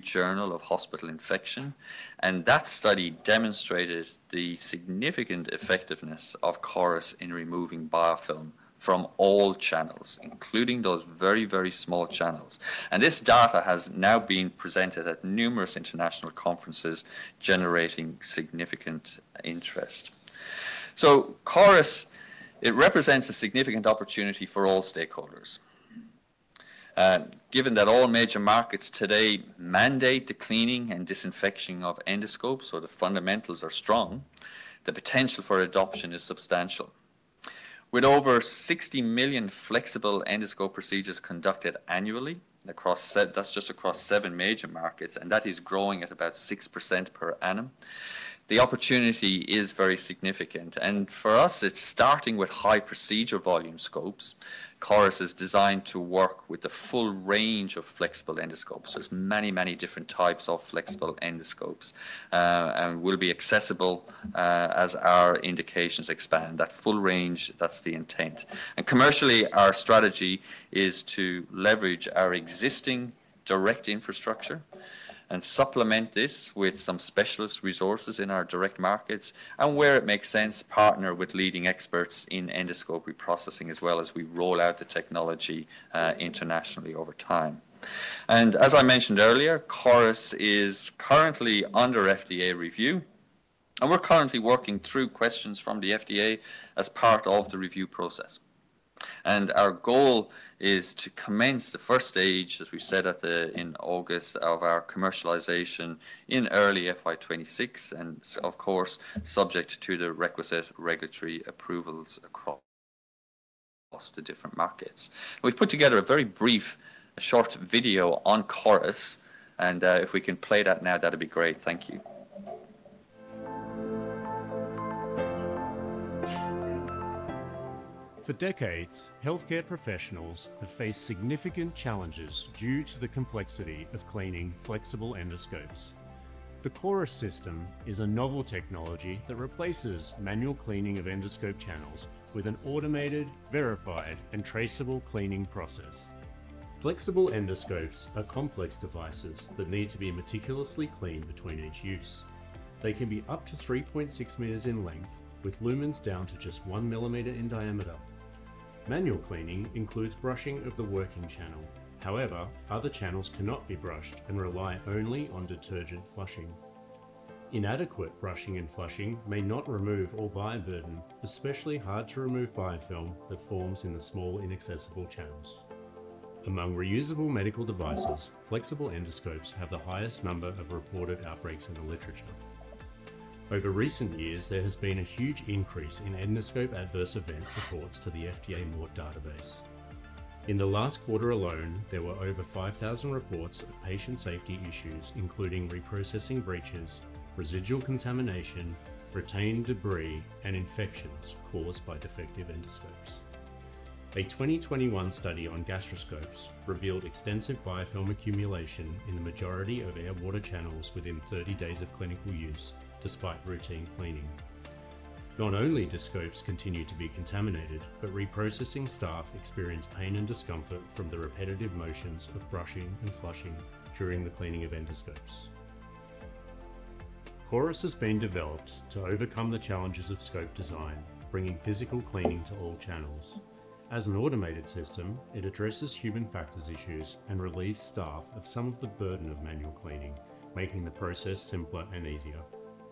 [SPEAKER 2] Journal of Hospital Infection. That study demonstrated the significant effectiveness of CORIS in removing biofilm from all channels, including those very, very small channels. This data has now been presented at numerous international conferences, generating significant interest. CORIS, it represents a significant opportunity for all stakeholders. Given that all major markets today mandate the cleaning and disinfection of endoscopes, so the fundamentals are strong, the potential for adoption is substantial. With over 60 million flexible endoscope procedures conducted annually, that's just across seven major markets, and that is growing at about 6% per annum, the opportunity is very significant, and for us, it's starting with high procedure volume scopes. CORIS is designed to work with the full range of flexible endoscopes. There's many, many different types of flexible endoscopes and will be accessible as our indications expand. That full range, that's the intent, and commercially, our strategy is to leverage our existing direct infrastructure and supplement this with some specialist resources in our direct markets, and where it makes sense, partner with leading experts in endoscope reprocessing as well as we roll out the technology internationally over time, and as I mentioned earlier, CORIS is currently under FDA review, and we're currently working through questions from the FDA as part of the review process. Our goal is to commence the first stage, as we said in August, of our commercialization in early FY 2026, and of course, subject to the requisite regulatory approvals across the different markets. We've put together a very brief, short video on CORIS. If we can play that now, that'd be great. Thank you. For decades, healthcare professionals have faced significant challenges due to the complexity of cleaning flexible endoscopes. The CORIS system is a novel technology that replaces manual cleaning of endoscope channels with an automated, verified, and traceable cleaning process. Flexible endoscopes are complex devices that need to be meticulously cleaned between each use. They can be up to 3.6 meters in length, with lumens down to just one millimeter in diameter. Manual cleaning includes brushing of the working channel. However, other channels cannot be brushed and rely only on detergent flushing. Inadequate brushing and flushing may not remove bioburden, especially hard-to-remove biofilm that forms in the small, inaccessible channels. Among reusable medical devices, flexible endoscopes have the highest number of reported outbreaks in the literature. Over recent years, there has been a huge increase in endoscope adverse event reports to the FDA MAUDE database. In the last quarter alone, there were over 5,000 reports of patient safety issues, including reprocessing breaches, residual contamination, retained debris, and infections caused by defective endoscopes. A 2021 study on gastroscopes revealed extensive biofilm accumulation in the majority of air-water channels within 30 days of clinical use, despite routine cleaning. Not only do scopes continue to be contaminated, but reprocessing staff experience pain and discomfort from the repetitive motions of brushing and flushing during the cleaning of endoscopes. CORIS has been developed to overcome the challenges of scope design, bringing physical cleaning to all channels. As an automated system, it addresses human factors issues and relieves staff of some of the burden of manual cleaning, making the process simpler and easier.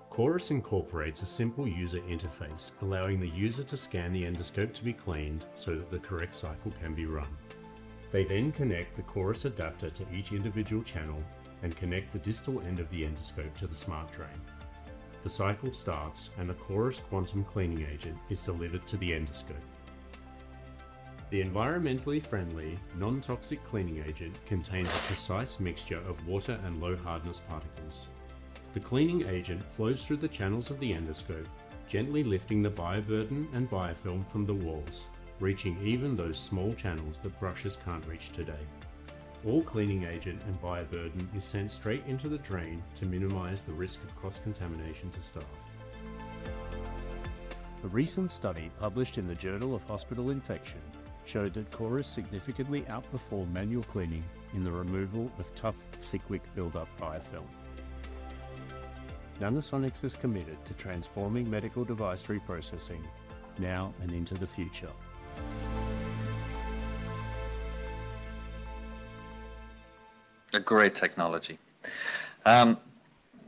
[SPEAKER 2] CORIS incorporates a simple user interface, allowing the user to scan the endoscope to be cleaned so that the correct cycle can be run. They then connect the CORIS adapter to each individual channel and connect the distal end of the endoscope to the smart drain. The cycle starts, and the CORIS Quantum Cleaning Agent is delivered to the endoscope. The environmentally friendly, non-toxic cleaning agent contains a precise mixture of water and low-hardness particles. The cleaning agent flows through the channels of the endoscope, gently lifting the bioburden and biofilm from the walls, reaching even those small channels that brushes can't reach today. All cleaning agent and bioburden is sent straight into the drain to minimize the risk of cross-contamination to staff. A recent study published in the Journal of Hospital Infection showed that CORIS significantly outperformed manual cleaning in the removal of tough, cyclic buildup biofilm. Nanosonics is committed to transforming medical device reprocessing now and into the future. A great technology.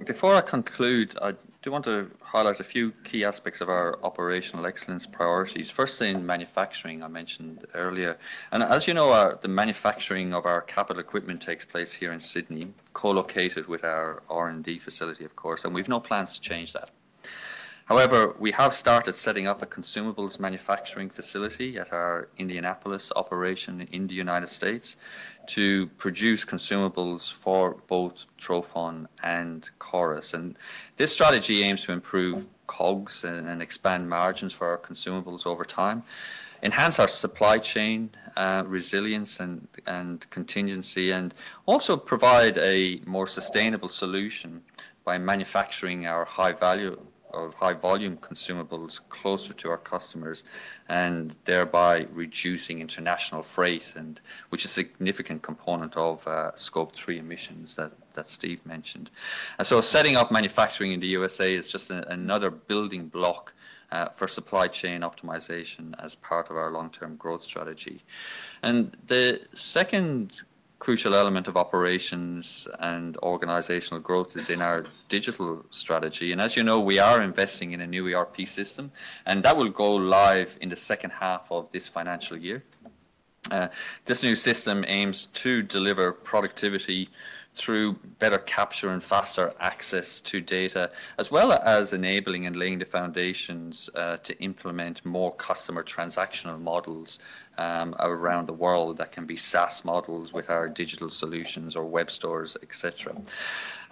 [SPEAKER 2] Before I conclude, I do want to highlight a few key aspects of our operational excellence priorities. First, in manufacturing, I mentioned earlier. And as you know, the manufacturing of our capital equipment takes place here in Sydney, co-located with our R&D facility, of course, and we've no plans to change that. However, we have started setting up a consumables manufacturing facility at our Indianapolis operation in the United States to produce consumables for both trophon and CORIS. And this strategy aims to improve COGS and expand margins for our consumables over time, enhance our supply chain resilience and contingency, and also provide a more sustainable solution by manufacturing our high-volume consumables closer to our customers and thereby reducing international freight, which is a significant component of Scope 3 emissions that Steve mentioned. So setting up manufacturing in the USA is just another building block for supply chain optimization as part of our long-term growth strategy. And the second crucial element of operations and organizational growth is in our digital strategy. And as you know, we are investing in a new ERP system, and that will go live in the second half of this financial year. This new system aims to deliver productivity through better capture and faster access to data, as well as enabling and laying the foundations to implement more customer transactional models around the world that can be SaaS models with our digital solutions or web stores, etc.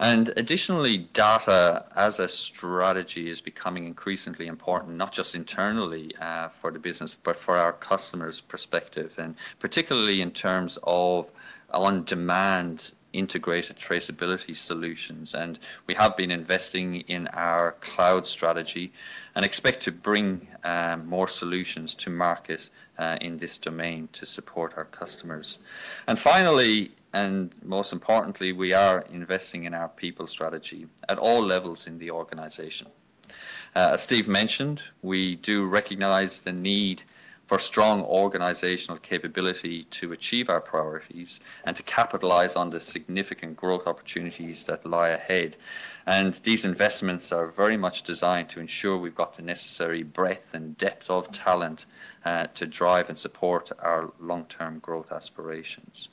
[SPEAKER 2] And additionally, data as a strategy is becoming increasingly important, not just internally for the business, but for our customers' perspective, and particularly in terms of on-demand integrated traceability solutions. And we have been investing in our cloud strategy and expect to bring more solutions to market in this domain to support our customers. And finally, and most importantly, we are investing in our people strategy at all levels in the organization. As Steve mentioned, we do recognize the need for strong organizational capability to achieve our priorities and to capitalize on the significant growth opportunities that lie ahead. And these investments are very much designed to ensure we've got the necessary breadth and depth of talent to drive and support our long-term growth aspirations.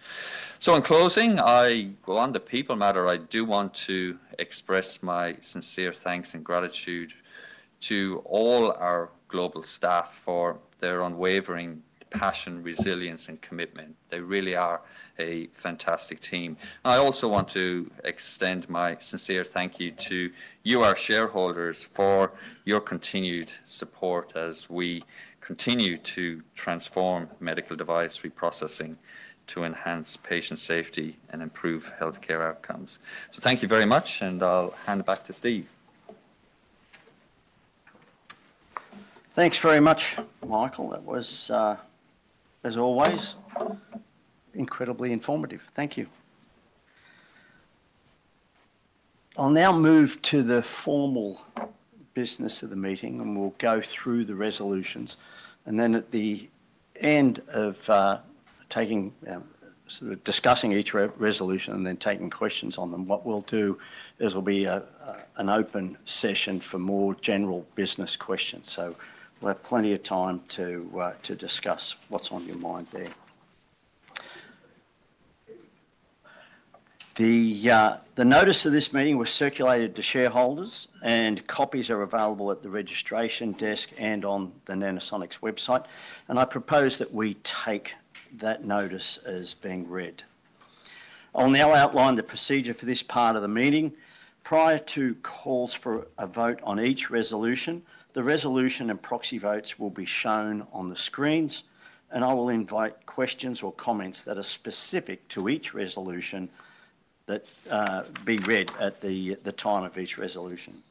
[SPEAKER 2] So in closing, I will, on the people matter, I do want to express my sincere thanks and gratitude to all our global staff for their unwavering passion, resilience, and commitment. They really are a fantastic team. I also want to extend my sincere thank you to you, our shareholders, for your continued support as we continue to transform medical device reprocessing to enhance patient safety and improve healthcare outcomes. So thank you very much, and I'll hand it back to Steve.
[SPEAKER 1] Thanks very much, Michael. That was, as always, incredibly informative. Thank you. I'll now move to the formal business of the meeting, and we'll go through the resolutions. And then at the end of discussing each resolution and then taking questions on them, what we'll do is there'll be an open session for more general business questions. So we'll have plenty of time to discuss what's on your mind there. The notice of this meeting was circulated to shareholders, and copies are available at the registration desk and on the Nanosonics website. And I propose that we take that notice as being read. I'll now outline the procedure for this part of the meeting. Prior to calls for a vote on each resolution, the resolution and proxy votes will be shown on the screens, and I will invite questions or comments that are specific to each resolution that be read at the time of each resolution.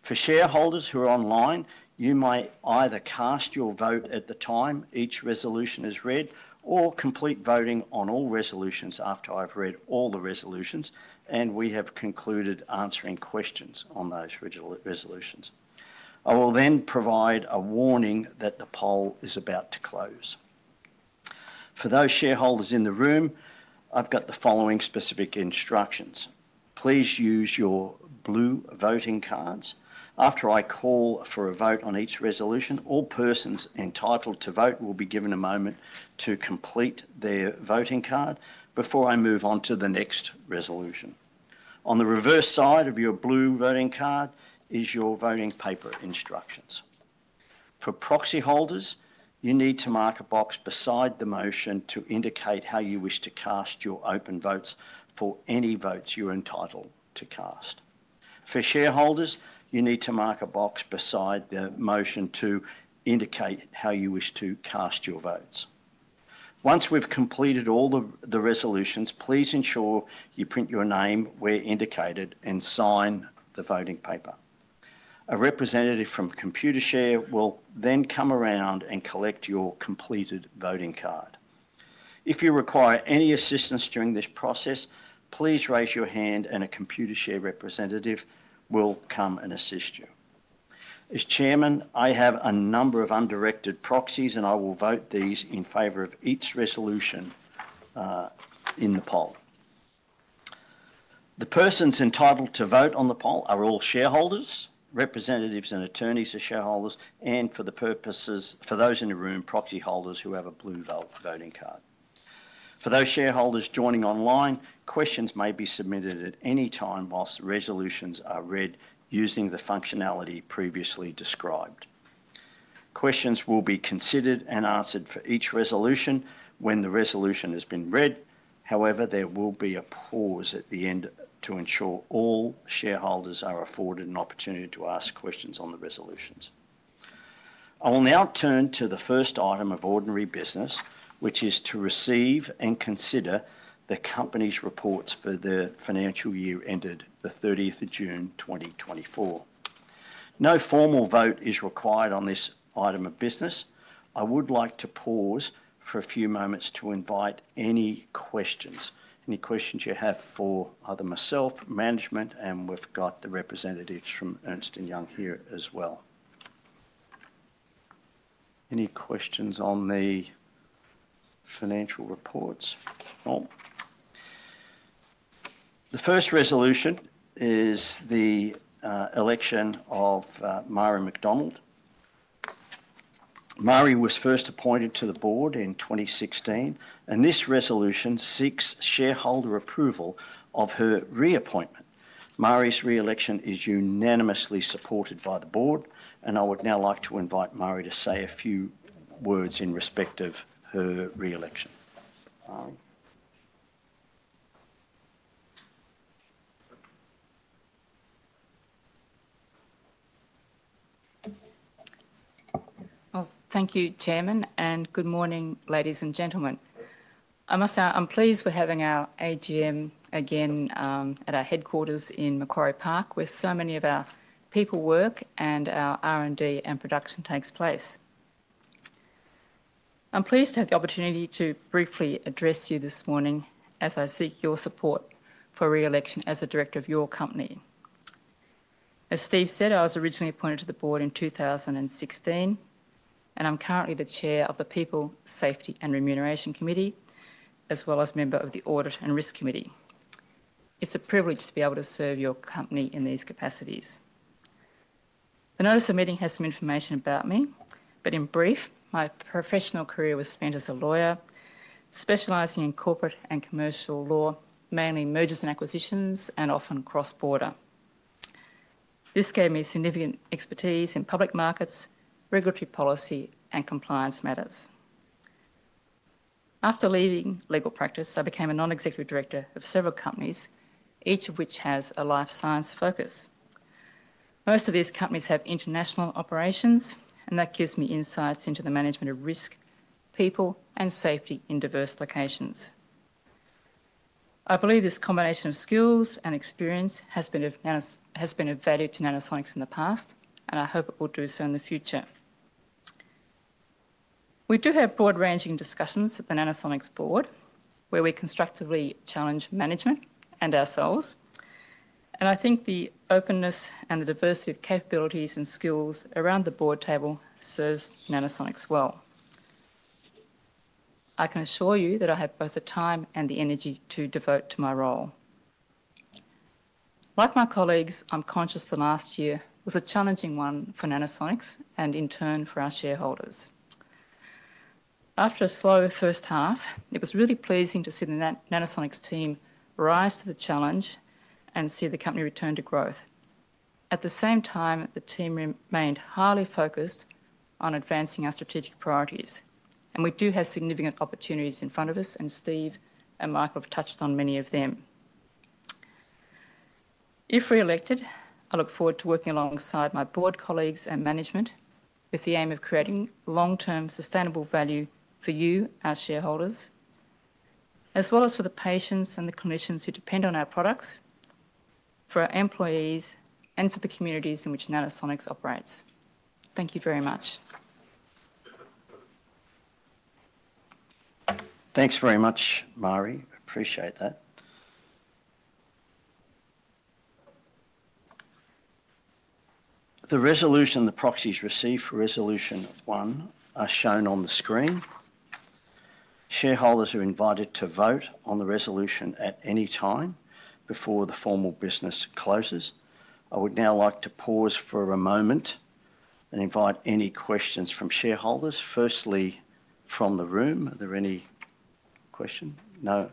[SPEAKER 1] For shareholders who are online, you may either cast your vote at the time each resolution is read or complete voting on all resolutions after I've read all the resolutions, and we have concluded answering questions on those resolutions. I will then provide a warning that the poll is about to close. For those shareholders in the room, I've got the following specific instructions. Please use your blue voting cards. After I call for a vote on each resolution, all persons entitled to vote will be given a moment to complete their voting card before I move on to the next resolution. On the reverse side of your blue voting card is your voting paper instructions. For proxy holders, you need to mark a box beside the motion to indicate how you wish to cast your open votes for any votes you're entitled to cast. For shareholders, you need to mark a box beside the motion to indicate how you wish to cast your votes. Once we've completed all the resolutions, please ensure you print your name where indicated and sign the voting paper. A representative from Computershare will then come around and collect your completed voting card. If you require any assistance during this process, please raise your hand, and a Computershare representative will come and assist you. As chairman, I have a number of undirected proxies, and I will vote these in favor of each resolution in the poll. The persons entitled to vote on the poll are all shareholders, representatives and attorneys of shareholders, and for those in the room, proxy holders who have a blue voting card. For those shareholders joining online, questions may be submitted at any time whilst resolutions are read using the functionality previously described. Questions will be considered and answered for each resolution when the resolution has been read. However, there will be a pause at the end to ensure all shareholders are afforded an opportunity to ask questions on the resolutions. I will now turn to the first item of ordinary business, which is to receive and consider the company's reports for the financial year ended the 30th of June, 2024. No formal vote is required on this item of business. I would like to pause for a few moments to invite any questions, any questions you have for either myself, management, and we've got the representatives from Ernst & Young here as well. Any questions on the financial reports? The first resolution is the election of Marie McDonald. Marie was first appointed to the board in 2016, and this resolution seeks shareholder approval of her reappointment. Marie's reelection is unanimously supported by the board, and I would now like to invite Marie to say a few words in respect of her reelection.
[SPEAKER 3] Well, thank you, Chairman, and good morning, ladies and gentlemen. I must say I'm pleased we're having our AGM again at our headquarters in Macquarie Park, where so many of our people work and our R&D and production takes place. I'm pleased to have the opportunity to briefly address you this morning as I seek your support for reelection as the director of your company. As Steve said, I was originally appointed to the board in 2016, and I'm currently the chair of the People, Safety, and Remuneration Committee, as well as member of the Audit and Risk Committee. It's a privilege to be able to serve your company in these capacities. The notice of meeting has some information about me, but in brief, my professional career was spent as a lawyer specializing in corporate and commercial law, mainly mergers and acquisitions and often cross-border. This gave me significant expertise in public markets, regulatory policy, and compliance matters. After leaving legal practice, I became a non-executive director of several companies, each of which has a life science focus. Most of these companies have international operations, and that gives me insights into the management of risk, people, and safety in diverse locations. I believe this combination of skills and experience has been of value to Nanosonics in the past, and I hope it will do so in the future. We do have broad-ranging discussions at the Nanosonics board, where we constructively challenge management and ourselves. And I think the openness and the diversity of capabilities and skills around the board table serves Nanosonics well. I can assure you that I have both the time and the energy to devote to my role. Like my colleagues, I'm conscious the last year was a challenging one for Nanosonics and in turn for our shareholders. After a slow first half, it was really pleasing to see the Nanosonics team rise to the challenge and see the company return to growth. At the same time, the team remained highly focused on advancing our strategic priorities, and we do have significant opportunities in front of us, and Steve and Michael have touched on many of them. If reelected, I look forward to working alongside my board colleagues and management with the aim of creating long-term sustainable value for you, our shareholders, as well as for the patients and the clinicians who depend on our products, for our employees, and for the communities in which Nanosonics operates. Thank you very much.
[SPEAKER 1] Thanks very much, Marie. Appreciate that. The resolution and the proxies received for resolution one are shown on the screen. Shareholders are invited to vote on the resolution at any time before the formal business closes. I would now like to pause for a moment and invite any questions from shareholders. Firstly, from the room, are there any questions? No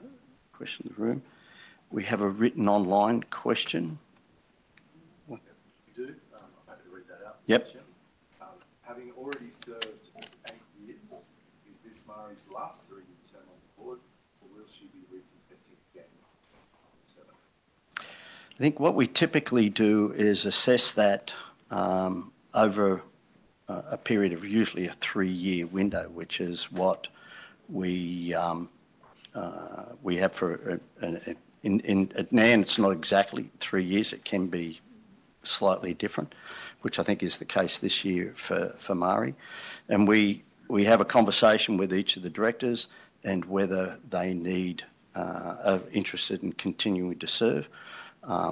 [SPEAKER 1] questions in the room. We have a written online question. We do. I'm happy to read that out. Yep.
[SPEAKER 4] Having already served eight years, is this Marie's last or a new term on the board, or will she be recontesting again?
[SPEAKER 1] I think what we typically do is assess that over a period of usually a three-year window, which is what we have for now. It's not exactly three years. It can be slightly different, which I think is the case this year for Marie. And we have a conversation with each of the directors and whether they are interested in continuing to serve.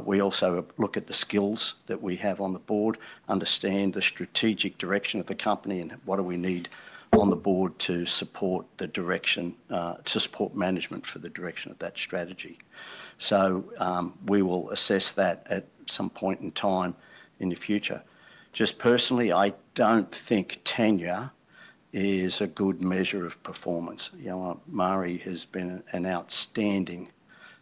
[SPEAKER 1] We also look at the skills that we have on the board, understand the strategic direction of the company, and what do we need on the board to support management for the direction of that strategy. So we will assess that at some point in time in the future. Just personally, I don't think tenure is a good measure of performance. Marie has been an outstanding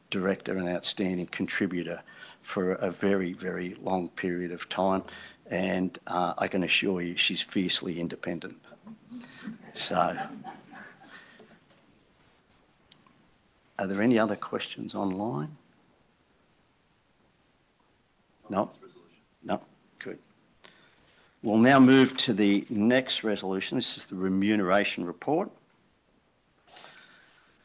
[SPEAKER 1] director and outstanding contributor for a very, very long period of time, and I can assure you she's fiercely independent. Are there any other questions online? No? No? Good. We'll now move to the next resolution. This is the remuneration report.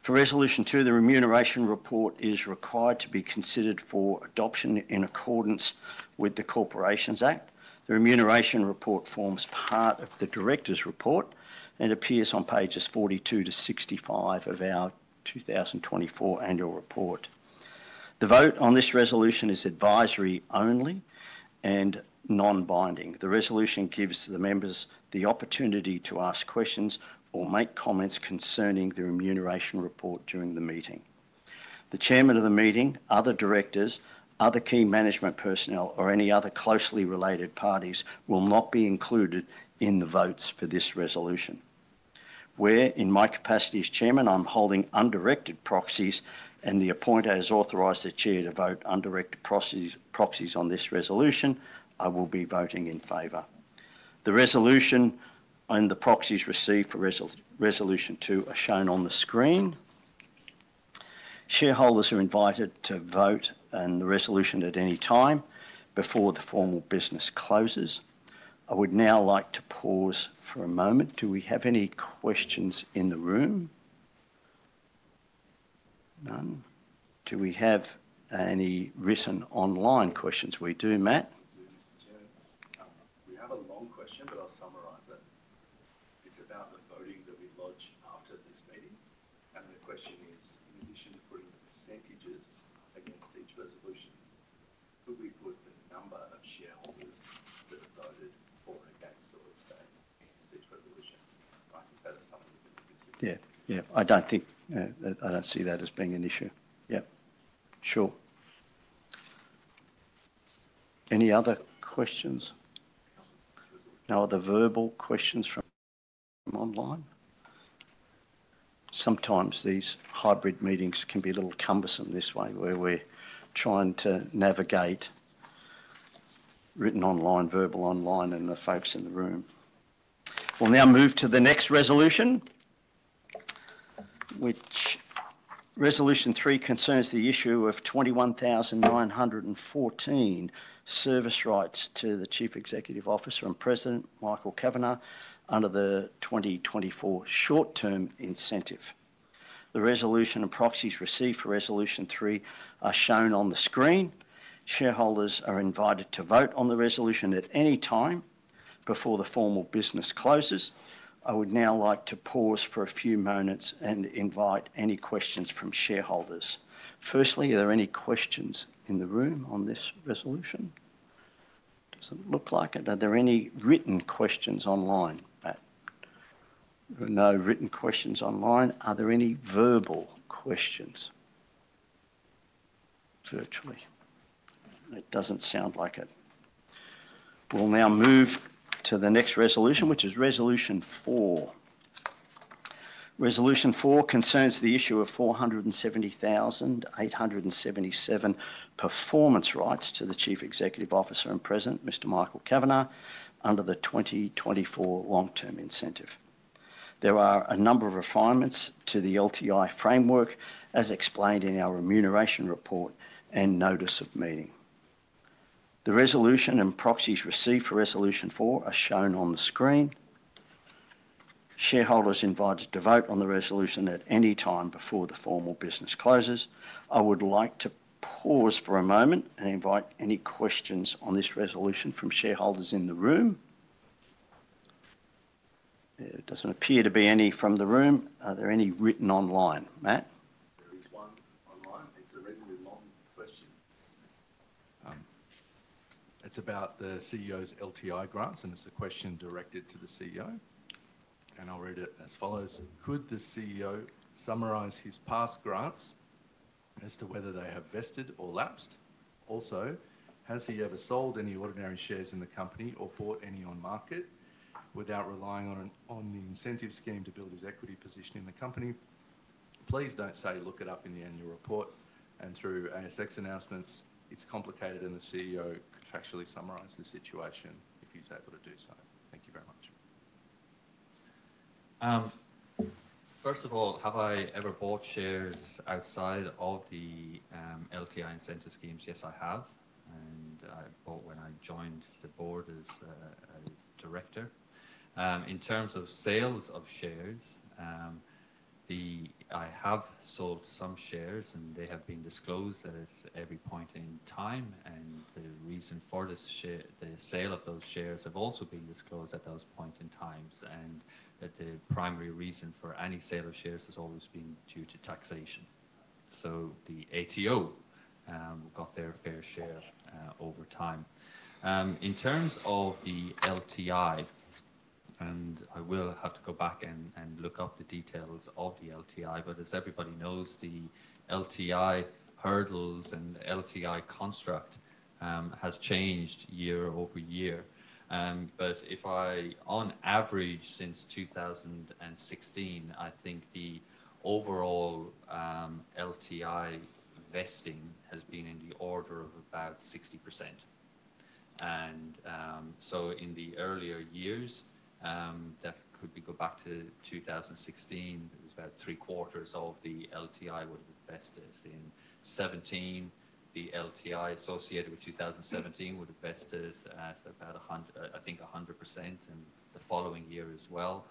[SPEAKER 1] For resolution two, the remuneration report is required to be considered for adoption in accordance with the Corporations Act. The remuneration report forms part of the director's report and appears on pages 42 to 65 of our 2024 annual report. The vote on this resolution is advisory only and non-binding. The resolution gives the members the opportunity to ask questions or make comments concerning the remuneration report during the meeting. The chairman of the meeting, other directors, other key management personnel, or any other closely related parties will not be included in the votes for this resolution. Where, in my capacity as Chairman, I'm holding undirected proxies and the appointer has authorized the chair to vote undirected proxies on this resolution, I will be voting in favor. The resolution and the proxies received for resolution two are shown on the screen. Shareholders are invited to vote on the resolution at any time before the formal business closes. I would now like to pause for a moment. Do we have any questions in the room? None? Do we have any written online questions? We do, Matt.
[SPEAKER 4] We have a long question, but I'll summarize it. It's about the voting that we lodge after this meeting. And the question is, in addition to putting the percentages against each resolution, could we put the number of shareholders that voted for, against, and abstain against each resolution? I think that is something that we can do.
[SPEAKER 1] Yeah. Yeah. I don't see that as being an issue. Yeah. Sure. Any other questions? No other verbal questions from online? Sometimes these hybrid meetings can be a little cumbersome this way, where we're trying to navigate written online, verbal online, and the folks in the room. We'll now move to the next resolution, which resolution three concerns the issue of 21,914 service rights to the Chief Executive Officer and President Michael Kavanagh under the 2024 short-term incentive. The resolution and proxies received for resolution three are shown on the screen. Shareholders are invited to vote on the resolution at any time before the formal business closes. I would now like to pause for a few moments and invite any questions from shareholders. Firstly, are there any questions in the room on this resolution? Doesn't look like it. Are there any written questions online, Matt? No written questions online. Are there any verbal questions? Virtually. It doesn't sound like it. We'll now move to the next resolution, which is resolution four. Resolution four concerns the issue of 470,877 performance rights to the Chief Executive Officer and President, Mr. Michael Kavanagh, under the 2024 long-term incentive. There are a number of refinements to the LTI framework, as explained in our remuneration report and notice of meeting. The resolution and proxies received for resolution four are shown on the screen. Shareholders are invited to vote on the resolution at any time before the formal business closes. I would like to pause for a moment and invite any questions on this resolution from shareholders in the room. There doesn't appear to be any from the room. Are there any written online, Matt?
[SPEAKER 4] There is one online. It's a reasonably long question.
[SPEAKER 1] It's about the CEO's LTI grants, and it's a question directed to the CEO. And I'll read it as follows. Could the CEO summarize his past grants as to whether they have vested or lapsed? Also, has he ever sold any ordinary shares in the company or bought any on market without relying on the incentive scheme to build his equity position in the company? Please don't say, "Look it up in the annual report," and through ASX announcements. It's complicated, and the CEO could actually summarize the situation if he's able to do so. Thank you very much.
[SPEAKER 2] First of all, have I ever bought shares outside of the LTI incentive schemes? Yes, I have. And I bought when I joined the board as a director. In terms of sales of shares, I have sold some shares, and they have been disclosed at every point in time. And the reason for the sale of those shares has also been disclosed at those points in time. And the primary reason for any sale of shares has always been due to taxation. So the ATO got their fair share over time. In terms of the LTI, and I will have to go back and look up the details of the LTI, but as everybody knows, the LTI hurdles and LTI construct have changed year-over-year. But if I, on average, since 2016, I think the overall LTI vesting has been in the order of about 60%. And so in the earlier years, that could be go back to 2016, it was about three-quarters of the LTI would have invested in 2017. The LTI associated with 2017 would have vested at about, I think, 100% in the following year as well.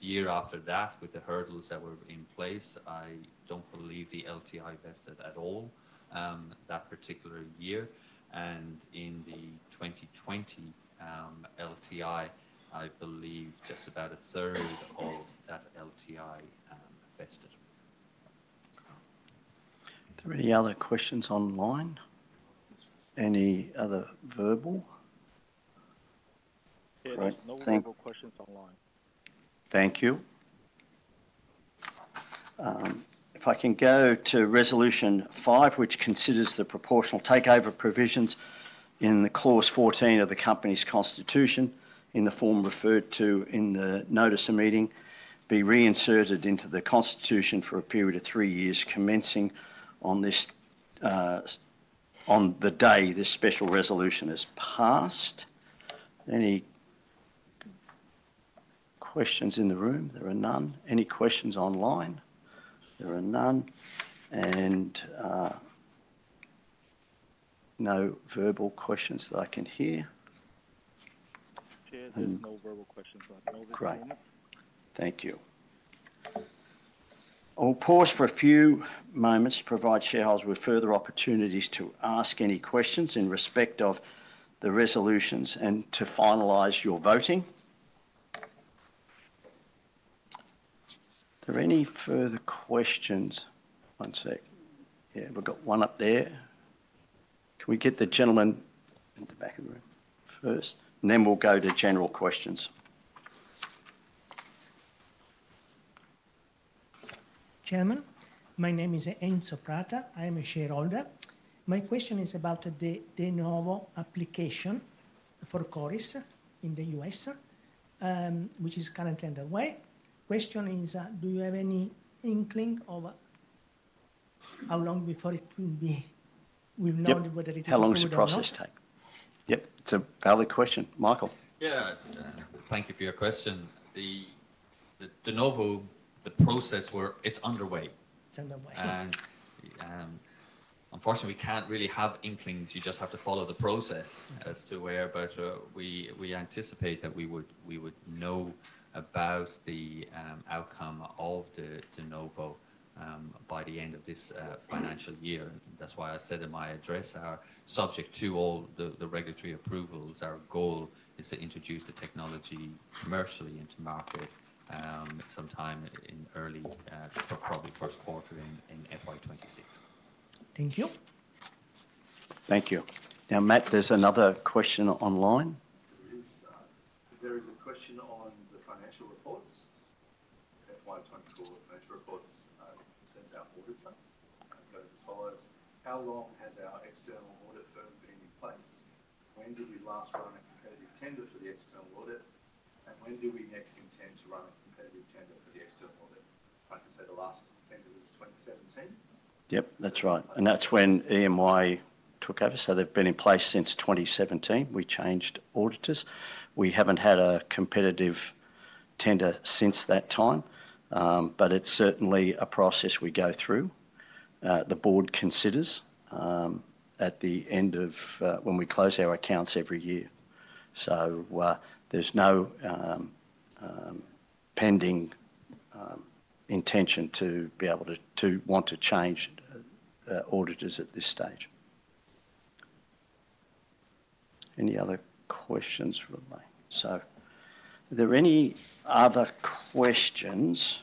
[SPEAKER 2] The year after that, with the hurdles that were in place, I don't believe the LTI vested at all that particular year, and in the 2020 LTI, I believe just about a third of that LTI vested.
[SPEAKER 1] Are there any other questions online? Any other verbal? No verbal questions online. Thank you. If I can go to resolution five, which considers the proportional takeover provisions in the clause 14 of the company's constitution in the form referred to in the notice of meeting, be reinserted into the constitution for a period of three years commencing on the day this special resolution is passed. Any questions in the room? There are none. Any questions online? There are none, and no verbal questions that I can hear.
[SPEAKER 4] Chair, there are no verbal questions right now.
[SPEAKER 1] Great. Thank you. I'll pause for a few moments to provide shareholders with further opportunities to ask any questions in respect of the resolutions and to finalize your voting. Are there any further questions? One sec. Yeah, we've got one up there. Can we get the gentleman in the back of the room first? And then we'll go to general questions. Chairman, my name is Anne Soprata. I am a shareholder. My question is about the De Novo application for CORIS in the U.S., which is currently underway. The question is, do you have any inkling of how long before it will be? We'll know whether it is underway. How long does the process take? Yep. It's a valid question. Michael.
[SPEAKER 2] Yeah. Thank you for your question. The De Novo, the process, it's underway. It's underway. And unfortunately, we can't really have inklings. You just have to follow the process as to where, but we anticipate that we would know about the outcome of the De Novo by the end of this financial year. That's why I said in my address, subject to all the regulatory approvals, our goal is to introduce the technology commercially into market sometime in early, probably first quarter in FY 2026. Thank you.
[SPEAKER 1] Thank you. Now, Matt, there's another question online.
[SPEAKER 4] There is a question on the financial reports. FY 2024, financial reports sends out audits and goes as follows. How long has our external audit firm been in place? When did we last run a competitive tender for the external audit? And when do we next intend to run a competitive tender for the external audit? I think I said the last tender was 2017.
[SPEAKER 1] Yep, that's right. And that's when EY took over. So they've been in place since 2017. We changed auditors. We haven't had a competitive tender since that time, but it's certainly a process we go through. The board considers at the end of when we close our accounts every year. So there's no pending intention to be able to want to change auditors at this stage. Any other questions from me? So are there any other questions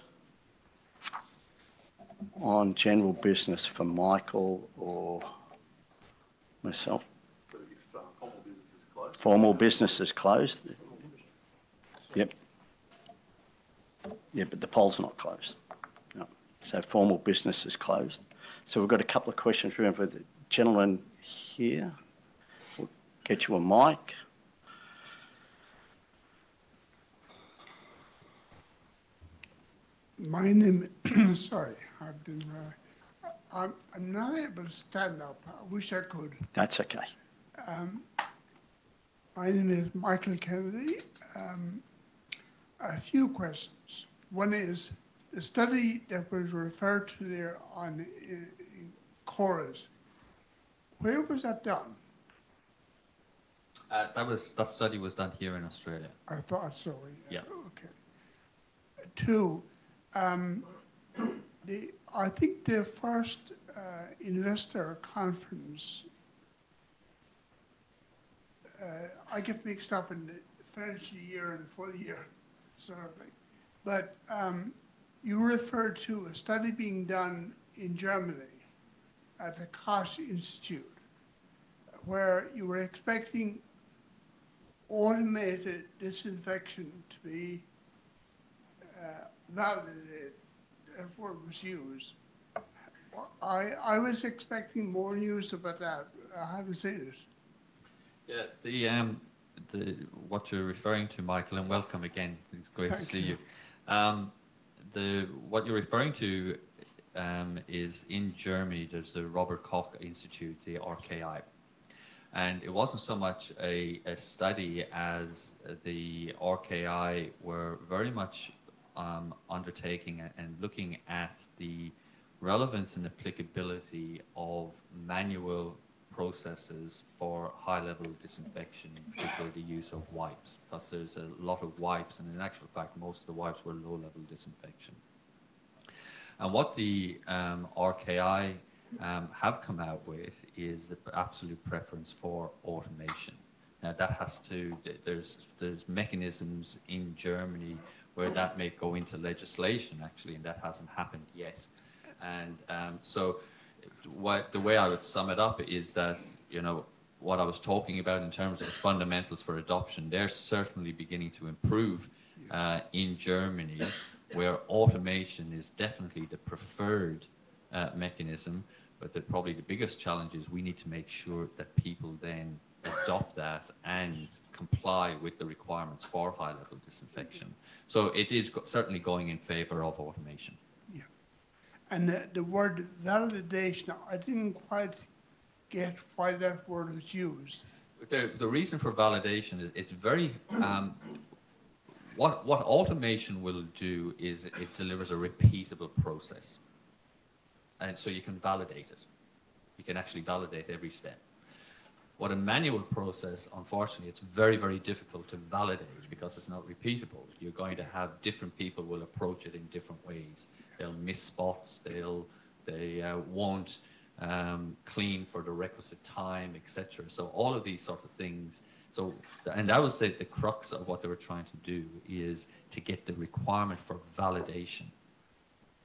[SPEAKER 1] on general business for Michael or myself? Formal business is closed. Formal business is closed. Yep. Yeah, but the polls are not closed. So formal business is closed. So we've got a couple of questions for the gentleman here. We'll get you a mic. My name is sorry. I'm not able to stand up. I wish I could. That's okay. My name is Michael Kennedy. A few questions. One is the study that was referred to there on CORIS. Where was that done?
[SPEAKER 2] That study was done here in Australia. I thought so. Yeah. Okay. Two, I think the first investor conference. I get mixed up in the financial year and full year sort of thing. But you referred to a study being done in Germany at the Robert Koch Institute, where you were expecting automated disinfection to be validated. Therefore, it was used. I was expecting more news about that. I haven't seen it. Yeah. What you're referring to, Michael, and welcome again. It's great to see you. Thank you. What you're referring to is in Germany, there's the Robert Koch Institute, the RKI. And it wasn't so much a study as the RKI were very much undertaking and looking at the relevance and applicability of manual processes for high-level disinfection, particularly the use of wipes. Plus, there's a lot of wipes. In actual fact, most of the wipes were low-level disinfection. What the RKI have come out with is the absolute preference for automation. Now, that has to. There's mechanisms in Germany where that may go into legislation, actually, and that hasn't happened yet. So the way I would sum it up is that what I was talking about in terms of fundamentals for adoption, they're certainly beginning to improve in Germany, where automation is definitely the preferred mechanism. But probably the biggest challenge is we need to make sure that people then adopt that and comply with the requirements for high-level disinfection. It is certainly going in favor of automation. Yeah. The word validation, I didn't quite get why that word was used. The reason for validation is it's very. What automation will do is it delivers a repeatable process. And so you can validate it. You can actually validate every step. What a manual process, unfortunately, it's very, very difficult to validate because it's not repeatable. You're going to have different people will approach it in different ways. They'll miss spots. They won't clean for the requisite time, etc. So all of these sort of things. And that was the crux of what they were trying to do is to get the requirement for validation.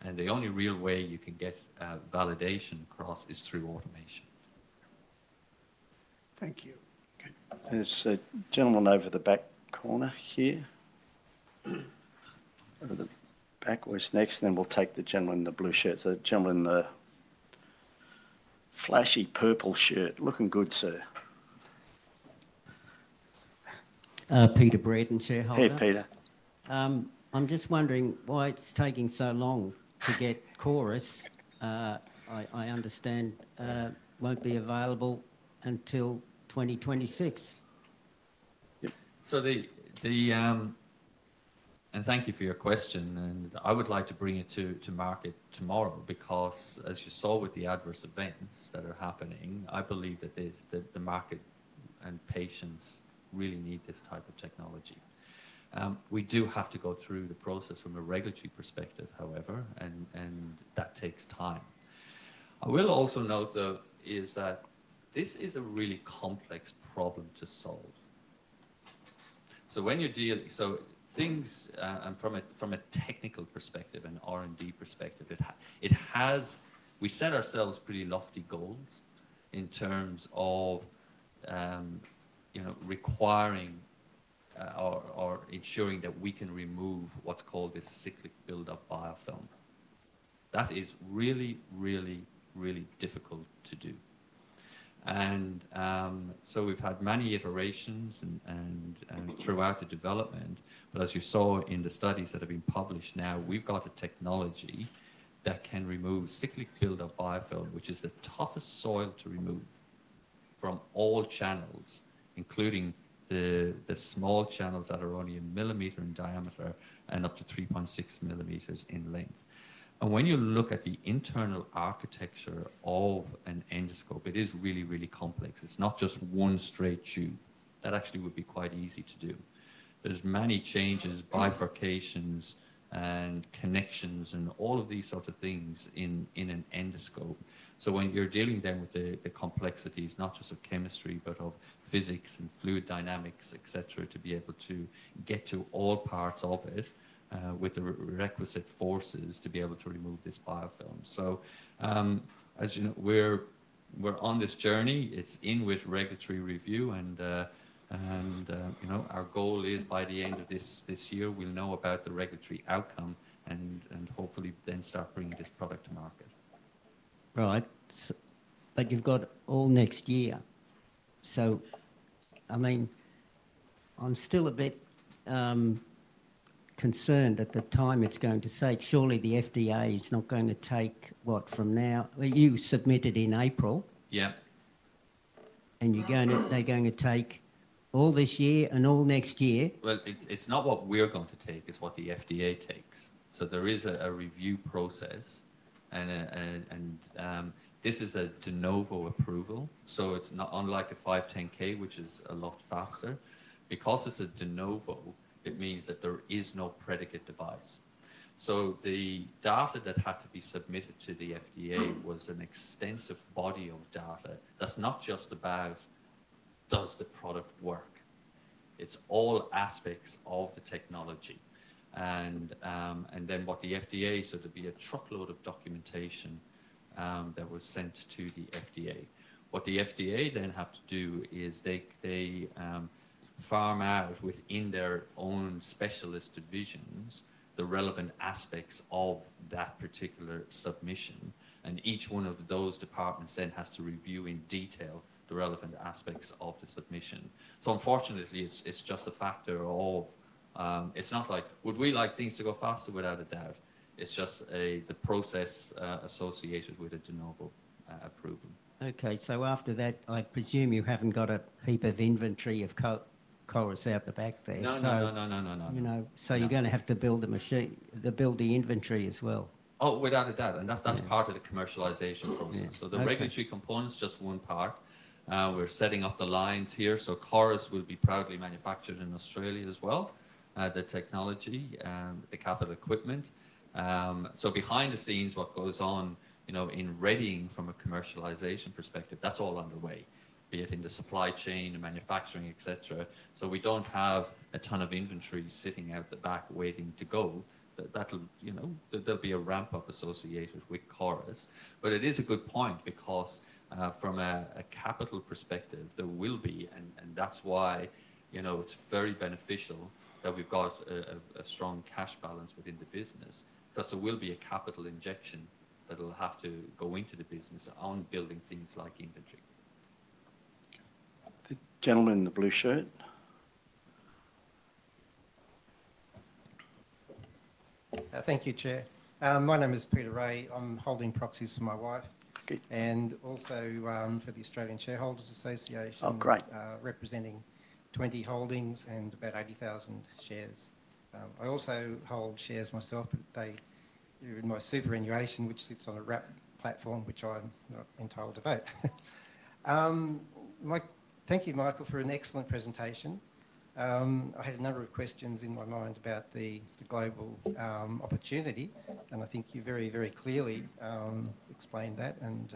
[SPEAKER 2] And the only real way you can get validation across is through automation. Thank you.
[SPEAKER 1] Okay. There's a gentleman over the back corner here. Over the back, where he's next. And then we'll take the gentleman in the blue shirt. So the gentleman in the flashy purple shirt. Looking good, sir. Peter Breden, shareholder.
[SPEAKER 2] Hey, Peter. I'm just wondering why it's taking so long to get CORIS. I understand won't be available until 2026. Yep. And thank you for your question. And I would like to bring it to market tomorrow because, as you saw with the adverse events that are happening, I believe that the market and patients really need this type of technology. We do have to go through the process from a regulatory perspective, however, and that takes time. I will also note though is that this is a really complex problem to solve. So when you're dealing with things from a technical perspective, an R&D perspective, we set ourselves pretty lofty goals in terms of requiring or ensuring that we can remove what's called this cyclic buildup biofilm. That is really, really, really difficult to do. And so we've had many iterations throughout the development. But as you saw in the studies that have been published now, we've got a technology that can remove cyclic buildup biofilm, which is the toughest soil to remove from all channels, including the small channels that are only a millimeter in diameter and up to 3.6 millimeters in length. And when you look at the internal architecture of an endoscope, it is really, really complex. It's not just one straight tube. That actually would be quite easy to do. There's many changes, bifurcations, and connections, and all of these sort of things in an endoscope. So when you're dealing then with the complexities, not just of chemistry, but of physics and fluid dynamics, etc., to be able to get to all parts of it with the requisite forces to be able to remove this biofilm. So as you know, we're on this journey. It's in with regulatory review. Our goal is by the end of this year, we'll know about the regulatory outcome and hopefully then start bringing this product to market. Right. You've got all next year. I mean, I'm still a bit concerned at the time it's going to take. "Surely the FDA is not going to take what from now?" You submitted in April. Yeah. They're going to take all this year and all next year. It's not what we're going to take. It's what the FDA takes. There is a review process. This is a De Novo approval. It's not unlike a 510(k), which is a lot faster. Because it's a De Novo, it means that there is no predicate device. The data that had to be submitted to the FDA was an extensive body of data. That's not just about does the product work. It's all aspects of the technology. And then what the FDA so there'd be a truckload of documentation that was sent to the FDA. What the FDA then have to do is they farm out within their own specialist divisions the relevant aspects of that particular submission. And each one of those departments then has to review in detail the relevant aspects of the submission. So unfortunately, it's just a factor of it's not like, "Would we like things to go faster?" Without a doubt. It's just the process associated with a de novo approval. Okay. So after that, I presume you haven't got a heap of inventory of CORIS out the back there. No, no, no, no, no, no, no. So you're going to have to build the machine to build the inventory as well. Oh, without a doubt. And that's part of the commercialization process. So the regulatory component's just one part. We're setting up the lines here. So CORIS will be proudly manufactured in Australia as well. The technology, the capital equipment. So behind the scenes, what goes on in readying from a commercialization perspective, that's all underway, be it in the supply chain and manufacturing, etc. So we don't have a ton of inventory sitting out the back waiting to go. There'll be a ramp-up associated with CORIS. But it is a good point because from a capital perspective, there will be. And that's why it's very beneficial that we've got a strong cash balance within the business because there will be a capital injection that'll have to go into the business on building things like inventory.
[SPEAKER 1] The gentleman in the blue shirt. Thank you, Chair. My name is Peter Rea. I'm holding proxies for my wife and also for the Australian Shareholders Association, representing 20 holdings and about 80,000 shares. I also hold shares myself. They're in my superannuation, which sits on a Wrap platform, which I'm not entitled to vote. Thank you, Michael, for an excellent presentation. I had a number of questions in my mind about the global opportunity, and I think you very, very clearly explained that and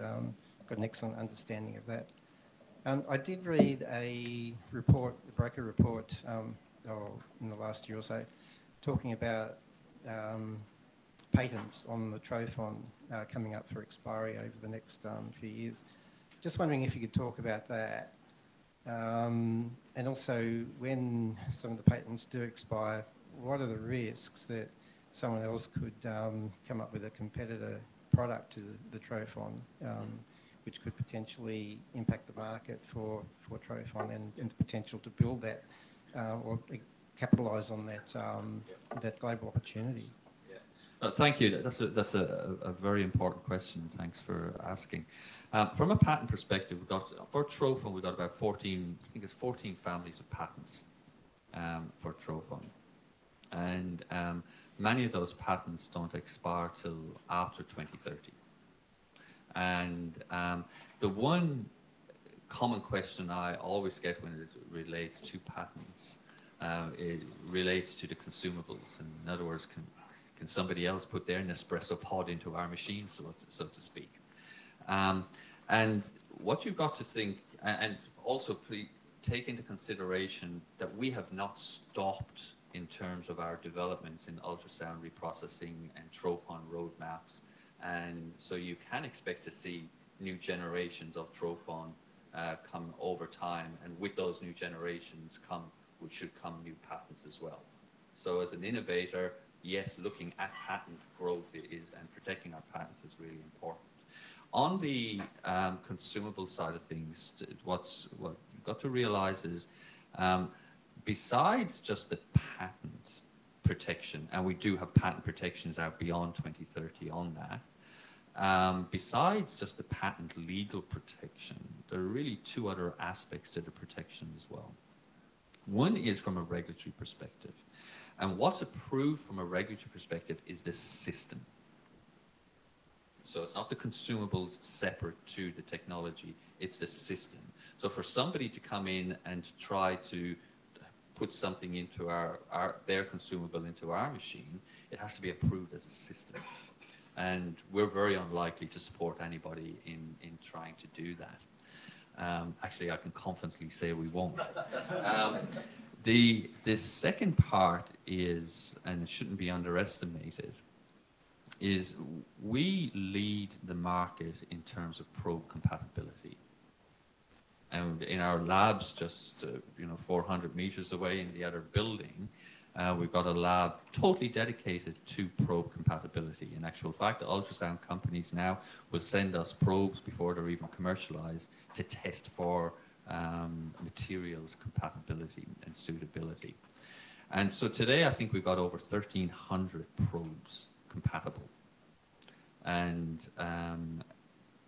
[SPEAKER 1] got an excellent understanding of that. I did read a report, a broker report in the last year or so, talking about patents on the trophon coming up for expiry over the next few years. Just wondering if you could talk about that. And also when some of the patents do expire, what are the risks that someone else could come up with a competitor product to the trophon, which could potentially impact the market for trophon and the potential to build that or capitalize on that global opportunity?
[SPEAKER 2] Yeah. Thank you. That's a very important question. Thanks for asking. From a patent perspective, for trophon, we've got about 14, I think it's 14 families of patents for trophon. And many of those patents don't expire till after 2030. And the one common question I always get when it relates to patents relates to the consumables. In other words, can somebody else put their Nespresso pod into our machine, so to speak? And what you've got to think and also take into consideration that we have not stopped in terms of our developments in ultrasound reprocessing and trophon roadmaps. And so you can expect to see new generations of trophon come over time. And with those new generations come, should come new patents as well. So as an innovator, yes, looking at patent growth and protecting our patents is really important. On the consumable side of things, what you've got to realize is besides just the patent protection, and we do have patent protections out beyond 2030 on that, besides just the patent legal protection, there are really two other aspects to the protection as well. One is from a regulatory perspective. And what's approved from a regulatory perspective is the system. So it's not the consumables separate to the technology. It's the system. So for somebody to come in and try to put something into their consumable into our machine, it has to be approved as a system. And we're very unlikely to support anybody in trying to do that. Actually, I can confidently say we won't. The second part is, and it shouldn't be underestimated, is we lead the market in terms of probe compatibility. And in our labs, just 400 meters away in the other building, we've got a lab totally dedicated to probe compatibility. In actual fact, the ultrasound companies now will send us probes before they're even commercialized to test for materials compatibility and suitability. And so today, I think we've got over 1,300 probes compatible. And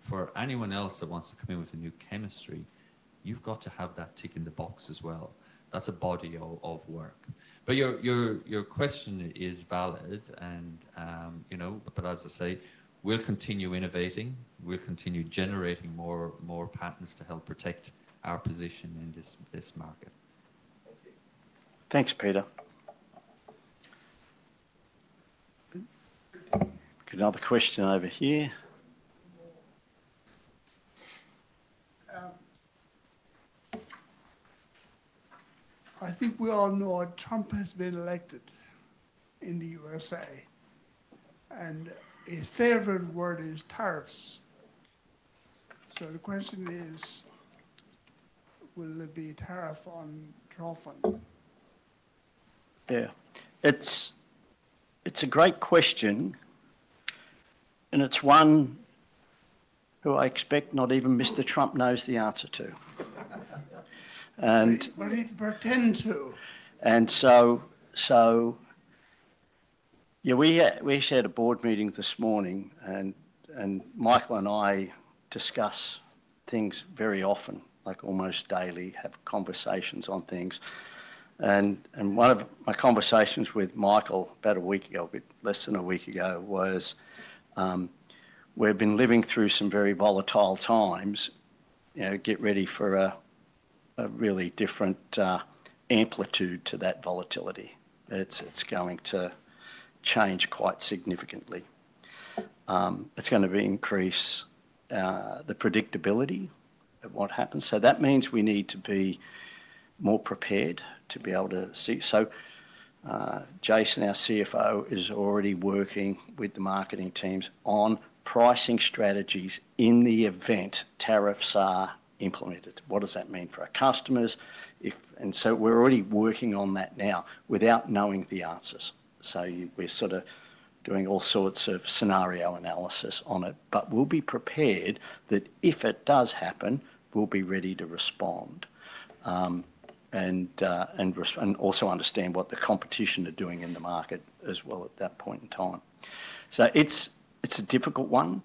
[SPEAKER 2] for anyone else that wants to come in with a new chemistry, you've got to have that tick in the box as well. That's a body of work. But your question is valid. But as I say, we'll continue innovating. We'll continue generating more patents to help protect our position in this market. Thank you. Thanks, Peter.
[SPEAKER 1] Another question over here. I think we all know Trump has been elected in the USA and his favorite word is tariffs. So the question is, will there be a tariff on trophon?
[SPEAKER 2] Yeah. It's a great question and it's one who I expect not even Mr. Trump knows the answer to, but he'd pretend to, and so we sat at a board meeting this morning and Michael and I discuss things very often, like almost daily, have conversations on things, and one of my conversations with Michael about a week ago, a bit less than a week ago, was we've been living through some very volatile times. Get ready for a really different amplitude to that volatility. It's going to change quite significantly. It's going to increase the predictability of what happens, so that means we need to be more prepared to be able to see. Jason, our CFO, is already working with the marketing teams on pricing strategies in the event tariffs are implemented. What does that mean for our customers? And so we're already working on that now without knowing the answers, so we're sort of doing all sorts of scenario analysis on it. But we'll be prepared that if it does happen, we'll be ready to respond and also understand what the competition are doing in the market as well at that point in time, so it's a difficult one.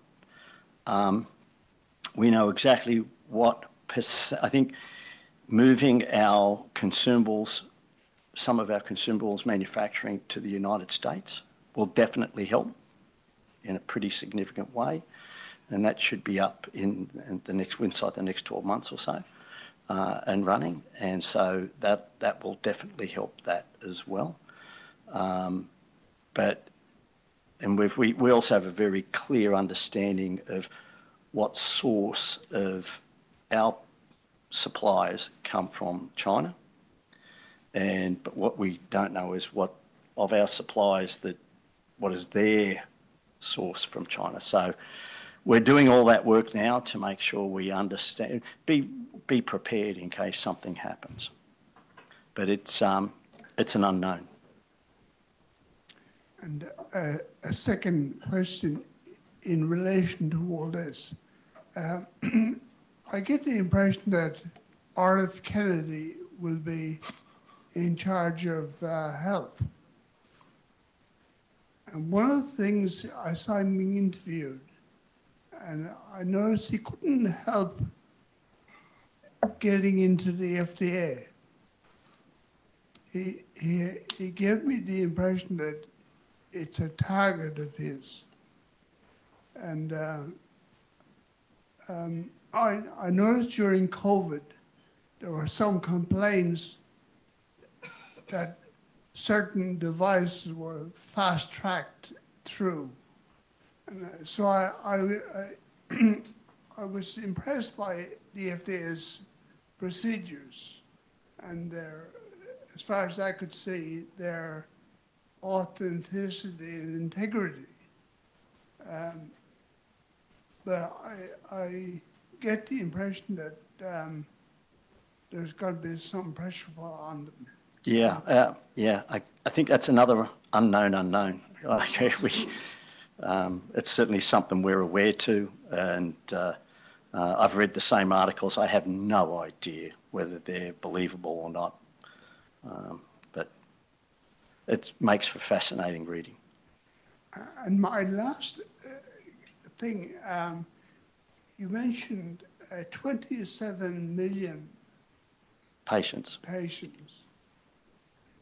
[SPEAKER 2] We know exactly what I think moving some of our consumables manufacturing to the United States will definitely help in a pretty significant way. And that should be up inside the next 12 months or so and running. And so that will definitely help that as well. We also have a very clear understanding of what source of our supplies come from China. But what we don't know is what of our supplies that what is their source from China. So we're doing all that work now to make sure we be prepared in case something happens. But it's an unknown. And a second question in relation to all this. I get the impression that Robert F. Kennedy Jr. will be in charge of health. And one of the things I saw him being interviewed, and I noticed he couldn't help getting into the FDA. He gave me the impression that it's a target of his. And I noticed during COVID, there were some complaints that certain devices were fast-tracked through. So I was impressed by the FDA's procedures. And as far as I could see, their authenticity and integrity. But I get the impression that there's got to be some pressure on them. Yeah. Yeah. Yeah. I think that's another unknown, unknown. It's certainly something we're aware of. And I've read the same articles. I have no idea whether they're believable or not. But it makes for fascinating reading. And my last thing, you mentioned 27 million patients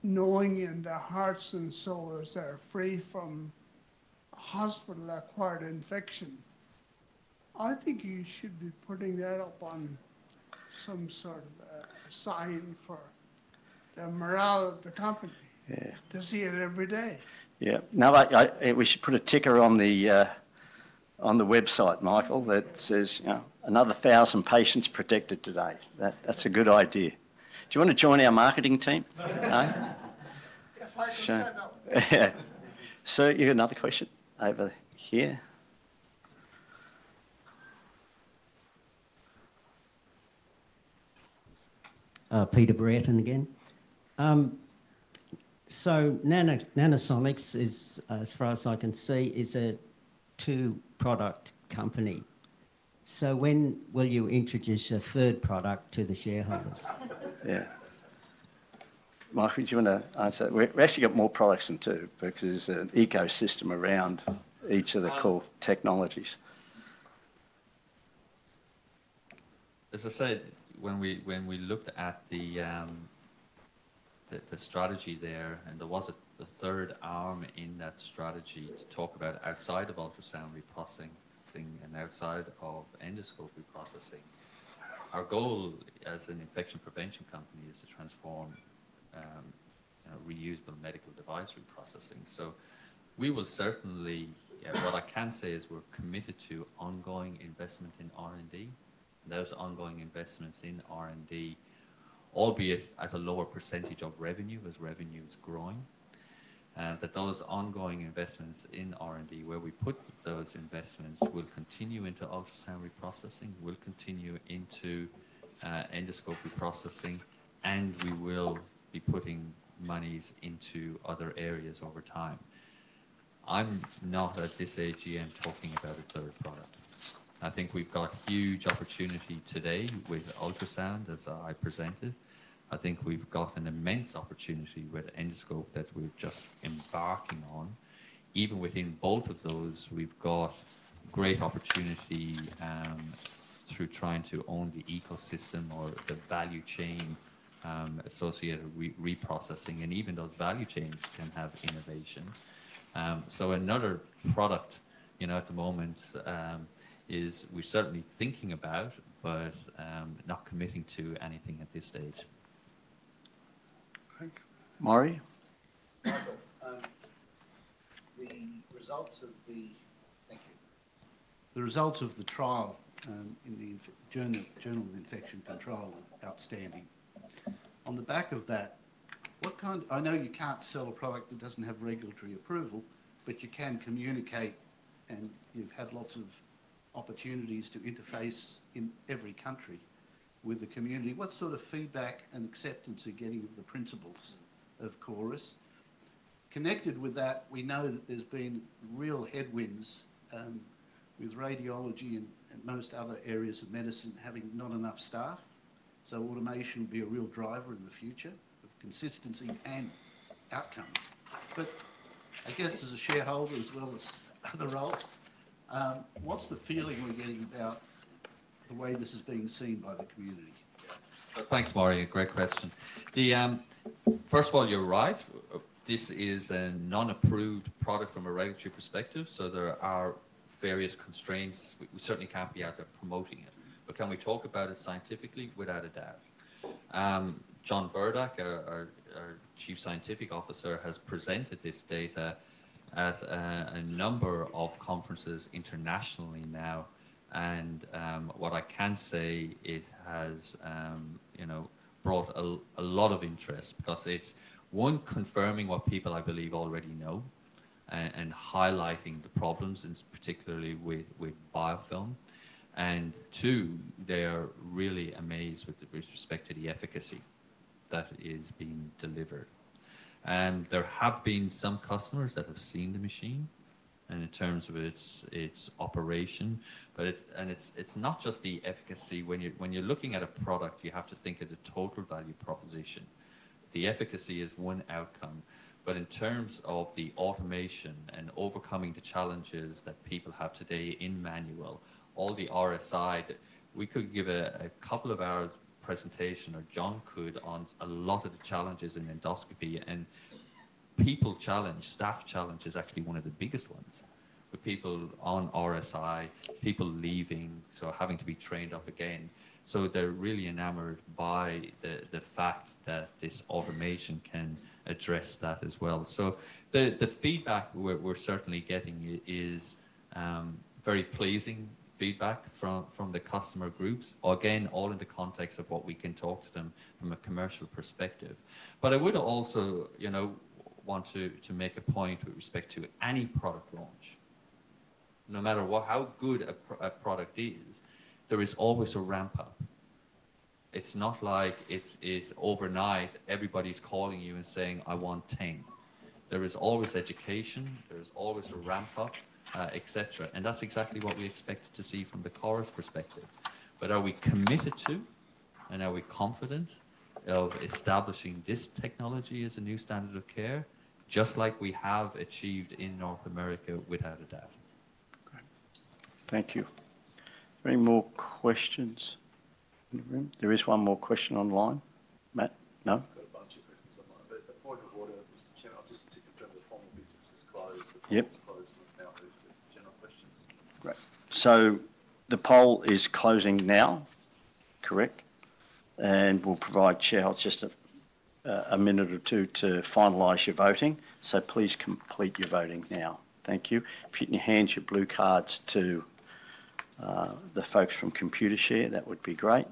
[SPEAKER 2] knowing in their hearts and souls that are free from hospital-acquired infection. I think you should be putting that up on some sort of a sign for the morale of the company to see it every day. Yeah. We should put a ticker on the website, Michael, that says another 1,000 patients protected today. That's a good idea. Do you want to join our marketing team? Sure. Yeah.
[SPEAKER 1] So you got another question over here? Peter Breden again. So Nanosonics, as far as I can see, is a two-product company. So when will you introduce a third product to the shareholders? Yeah. Michael, do you want to answer?
[SPEAKER 2] We actually got more products than two because there's an ecosystem around each of the core technologies. As I said, when we looked at the strategy there, and there was a third arm in that strategy to talk about outside of ultrasound reprocessing and outside of endoscope reprocessing, our goal as an infection prevention company is to transform reusable medical device reprocessing. So we will certainly what I can say is we're committed to ongoing investment in R&D. There's ongoing investments in R&D, albeit at a lower percentage of revenue as revenue is growing. But those ongoing investments in R&D, where we put those investments, will continue into ultrasound reprocessing, will continue into endoscope reprocessing, and we will be putting monies into other areas over time. I'm not at this AGM talking about a third product. I think we've got a huge opportunity today with ultrasound, as I presented. I think we've got an immense opportunity with endoscope that we're just embarking on. Even within both of those, we've got great opportunity through trying to own the ecosystem or the value chain associated with reprocessing. And even those value chains can have innovation. So another product at the moment is we're certainly thinking about, but not committing to anything at this stage. Thank you. Murray? Michael, the results of the trial in the Journal of Infection Control are outstanding. On the back of that, what kind of I know you can't sell a product that doesn't have regulatory approval, but you can communicate, and you've had lots of opportunities to interface in every country with the community. What sort of feedback and acceptance are you getting of the principles of CORIS? Connected with that, we know that there's been real headwinds with radiology and most other areas of medicine having not enough staff. So automation will be a real driver in the future of consistency and outcomes. But I guess as a shareholder, as well as other roles, what's the feeling we're getting about the way this is being seen by the community? Yeah. Thanks, Murray. Great question. First of all, you're right. This is a non-approved product from a regulatory perspective. So there are various constraints. We certainly can't be out there promoting it. But can we talk about it scientifically? Without a doubt. John Burdock, our Chief Scientific Officer, has presented this data at a number of conferences internationally now. And what I can say, it has brought a lot of interest because it's one, confirming what people I believe already know and highlighting the problems, particularly with biofilm. And two, they are really amazed with respect to the efficacy that is being delivered. And there have been some customers that have seen the machine in terms of its operation. And it's not just the efficacy. When you're looking at a product, you have to think of the total value proposition. The efficacy is one outcome. But in terms of the automation and overcoming the challenges that people have today in manual, all the RSI, we could give a couple of hours presentation, or John could, on a lot of the challenges in endoscopy. And staff challenge is actually one of the biggest ones with people on RSI, people leaving, so having to be trained up again. So they're really enamored by the fact that this automation can address that as well. So the feedback we're certainly getting is very pleasing feedback from the customer groups, again, all in the context of what we can talk to them from a commercial perspective. But I would also want to make a point with respect to any product launch. No matter how good a product is, there is always a ramp-up. It's not like overnight everybody's calling you and saying, "I want 10." There is always education. There is always a ramp-up, etc. And that's exactly what we expect to see from the CORIS perspective. But are we committed to, and are we confident of establishing this technology as a new standard of care, just like we have achieved in North America? Without a doubt. Great. Thank you. Any more questions in the room?
[SPEAKER 1] There is one more question online. Matt?
[SPEAKER 4] No? I've got a bunch of questions online. The point of order, Mr. Chair, I'll just confirm the formal business is closed. The poll is closed now. Those are the general questions.
[SPEAKER 1] Great. So the poll is closing now, correct? And we'll provide the Chair just a minute or two to finalize your voting. So please complete your voting now. Thank you. If you can hand your blue cards to the folks from Computershare, that would be great.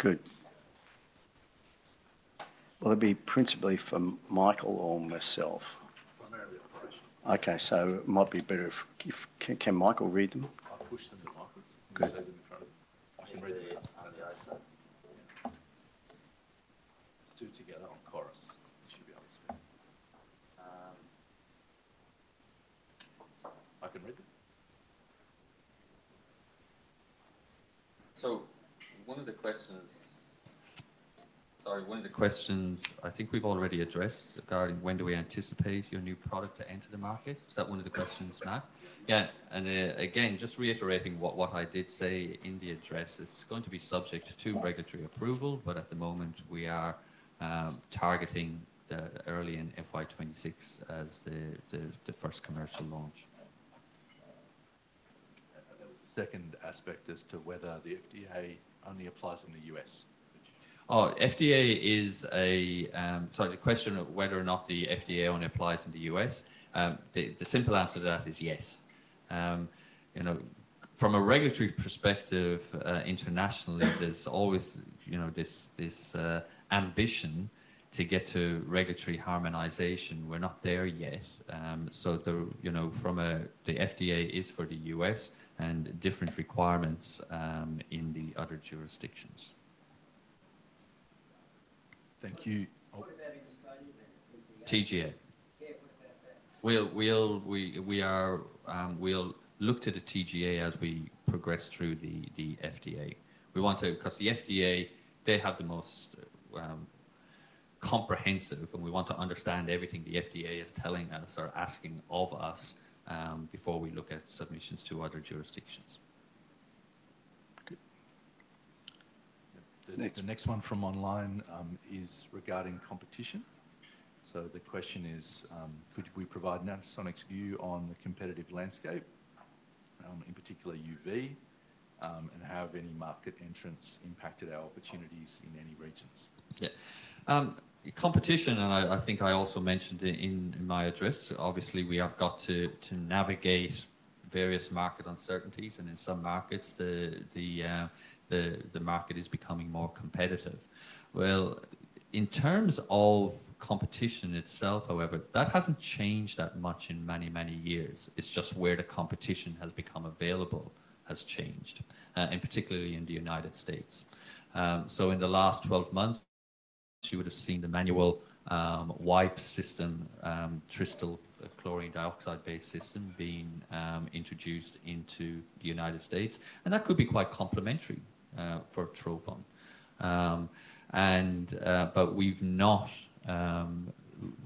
[SPEAKER 1] I've had a number of questions online. Good. Will it be principally for Michael or myself?
[SPEAKER 4] Primarily for myself.
[SPEAKER 1] Okay. So it might be better if Michael can read them?
[SPEAKER 4] I'll push them to Michael. I'll say them in front of him. I can read them to the house. Let's do it together on CORIS, we should be able to see. I can read them.
[SPEAKER 1] One of the questions I think we've already addressed regarding when do we anticipate your new product to enter the market? Was that one of the questions, Matt?
[SPEAKER 2] Yeah. And again, just reiterating what I did say in the address, it's going to be subject to regulatory approval, but at the moment, we are targeting early in FY 2026 as the first commercial launch. And there was a second aspect as to whether the FDA only applies in the US. Oh, FDA, sorry, the question of whether or not the FDA only applies in the US, the simple answer to that is yes. From a regulatory perspective, internationally, there's always this ambition to get to regulatory harmonization. We're not there yet. The FDA is for the US and different requirements in the other jurisdictions. Thank you. TGA. TGA. Yeah, what about that? We'll look to the TGA as we progress through the FDA. Because the FDA, they have the most comprehensive, and we want to understand everything the FDA is telling us or asking of us before we look at submissions to other jurisdictions.
[SPEAKER 1] Good. The next one from online is regarding competition. So the question is, could we provide Nanosonics' view on the competitive landscape, in particular UV, and how have any market entrants impacted our opportunities in any regions?
[SPEAKER 2] Yeah. Competition, and I think I also mentioned in my address, obviously, we have got to navigate various market uncertainties. And in some markets, the market is becoming more competitive. Well, in terms of competition itself, however, that hasn't changed that much in many, many years. It's just where the competition has become available has changed, and particularly in the United States. In the last 12 months, you would have seen the manual wipe system, Tristel chlorine dioxide-based system being introduced into the United States. And that could be quite complementary to trophon. But we've not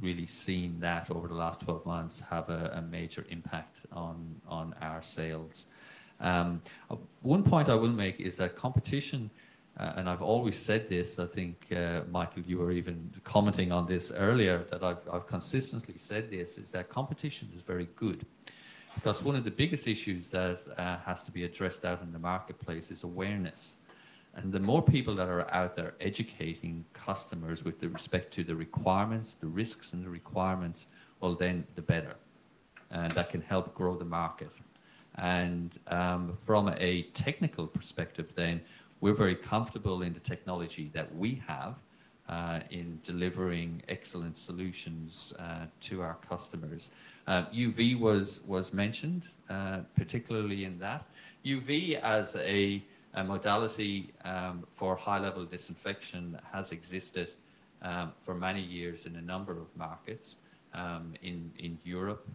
[SPEAKER 2] really seen that over the last 12 months have a major impact on our sales. One point I will make is that competition, and I've always said this, I think, Michael, you were even commenting on this earlier that I've consistently said this, is that competition is very good. Because one of the biggest issues that has to be addressed out in the marketplace is awareness. And the more people that are out there educating customers with respect to the requirements, the risks, and the requirements, well, then the better. And that can help grow the market. And from a technical perspective, then, we're very comfortable in the technology that we have in delivering excellent solutions to our customers. UV was mentioned, particularly in that. UV as a modality for high-level disinfection has existed for many years in a number of markets in Europe,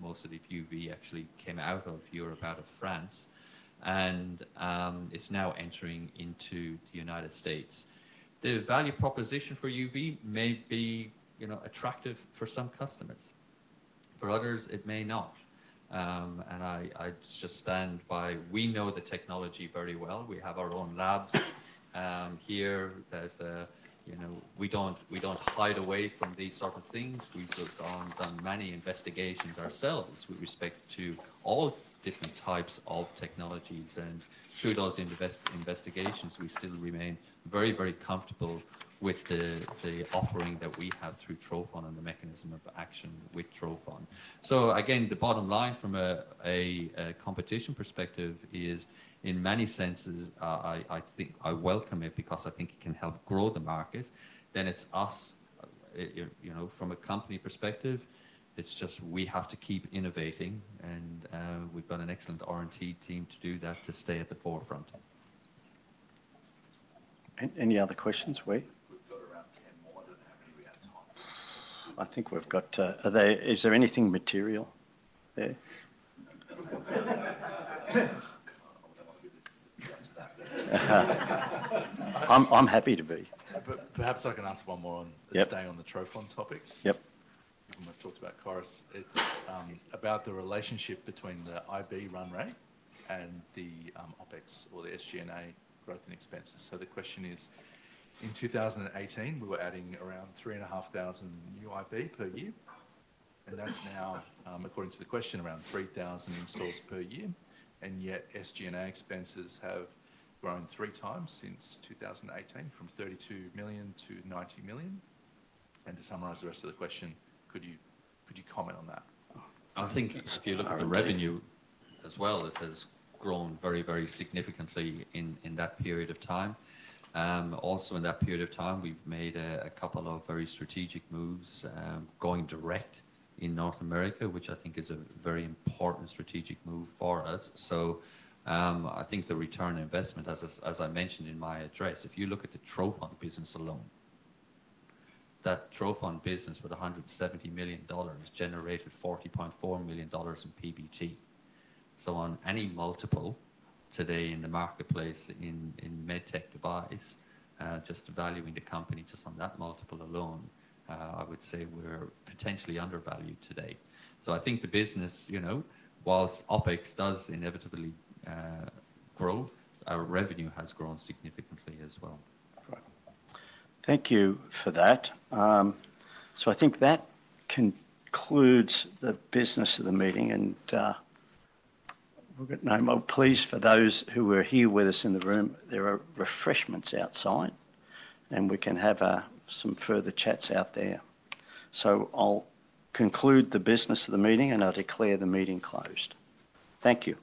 [SPEAKER 2] most UV actually came out of Europe, out of France. And it's now entering into the United States. The value proposition for UV may be attractive for some customers. For others, it may not. And I just stand by, we know the technology very well. We have our own labs here that we don't hide away from these sort of things. We've done many investigations ourselves with respect to all different types of technologies. And through those investigations, we still remain very, very comfortable with the offering that we have through trophon and the mechanism of action with trophon. So again, the bottom line from a competition perspective is, in many senses, I welcome it because I think it can help grow the market. Then it's us. From a company perspective, it's just we have to keep innovating. And we've got an excellent R&D team to do that to stay at the forefront.
[SPEAKER 1] Any other questions, Ray? We've got around 10 more. I don't know how many we have time for. I think we've got is there anything material there? I'm happy to be. Perhaps I can ask one more on staying on the trophon topic. People might have talked about CORIS. It's about the relationship between the IB run rate and the OPEX or the SG&A growth and expenses. So the question is, in 2018, we were adding around 3,500 new IB per year. And that's now, according to the question, around 3,000 installs per year. And yet SG&A expenses have grown three times since 2018, from 32 million to 90 million. And to summarise the rest of the question, could you comment on that?
[SPEAKER 2] I think if you look at the revenue as well, it has grown very, very significantly in that period of time. Also, in that period of time, we've made a couple of very strategic moves going direct in North America, which I think is a very important strategic move for us. So I think the return on investment, as I mentioned in my address, if you look at the trophon business alone, that trophon business with 170 million dollars generated 40.4 million dollars in PBT. So on any multiple today in the marketplace in med tech device, just valuing the company just on that multiple alone, I would say we're potentially undervalued today. So I think the business, while OpEx does inevitably grow, our revenue has grown significantly as well.
[SPEAKER 1] Great. Thank you for that. So I think that concludes the business of the meeting. And we'll get no more pleas for those who were here with us in the room. There are refreshments outside, and we can have some further chats out there. So I'll conclude the business of the meeting, and I'll declare the meeting closed. Thank you.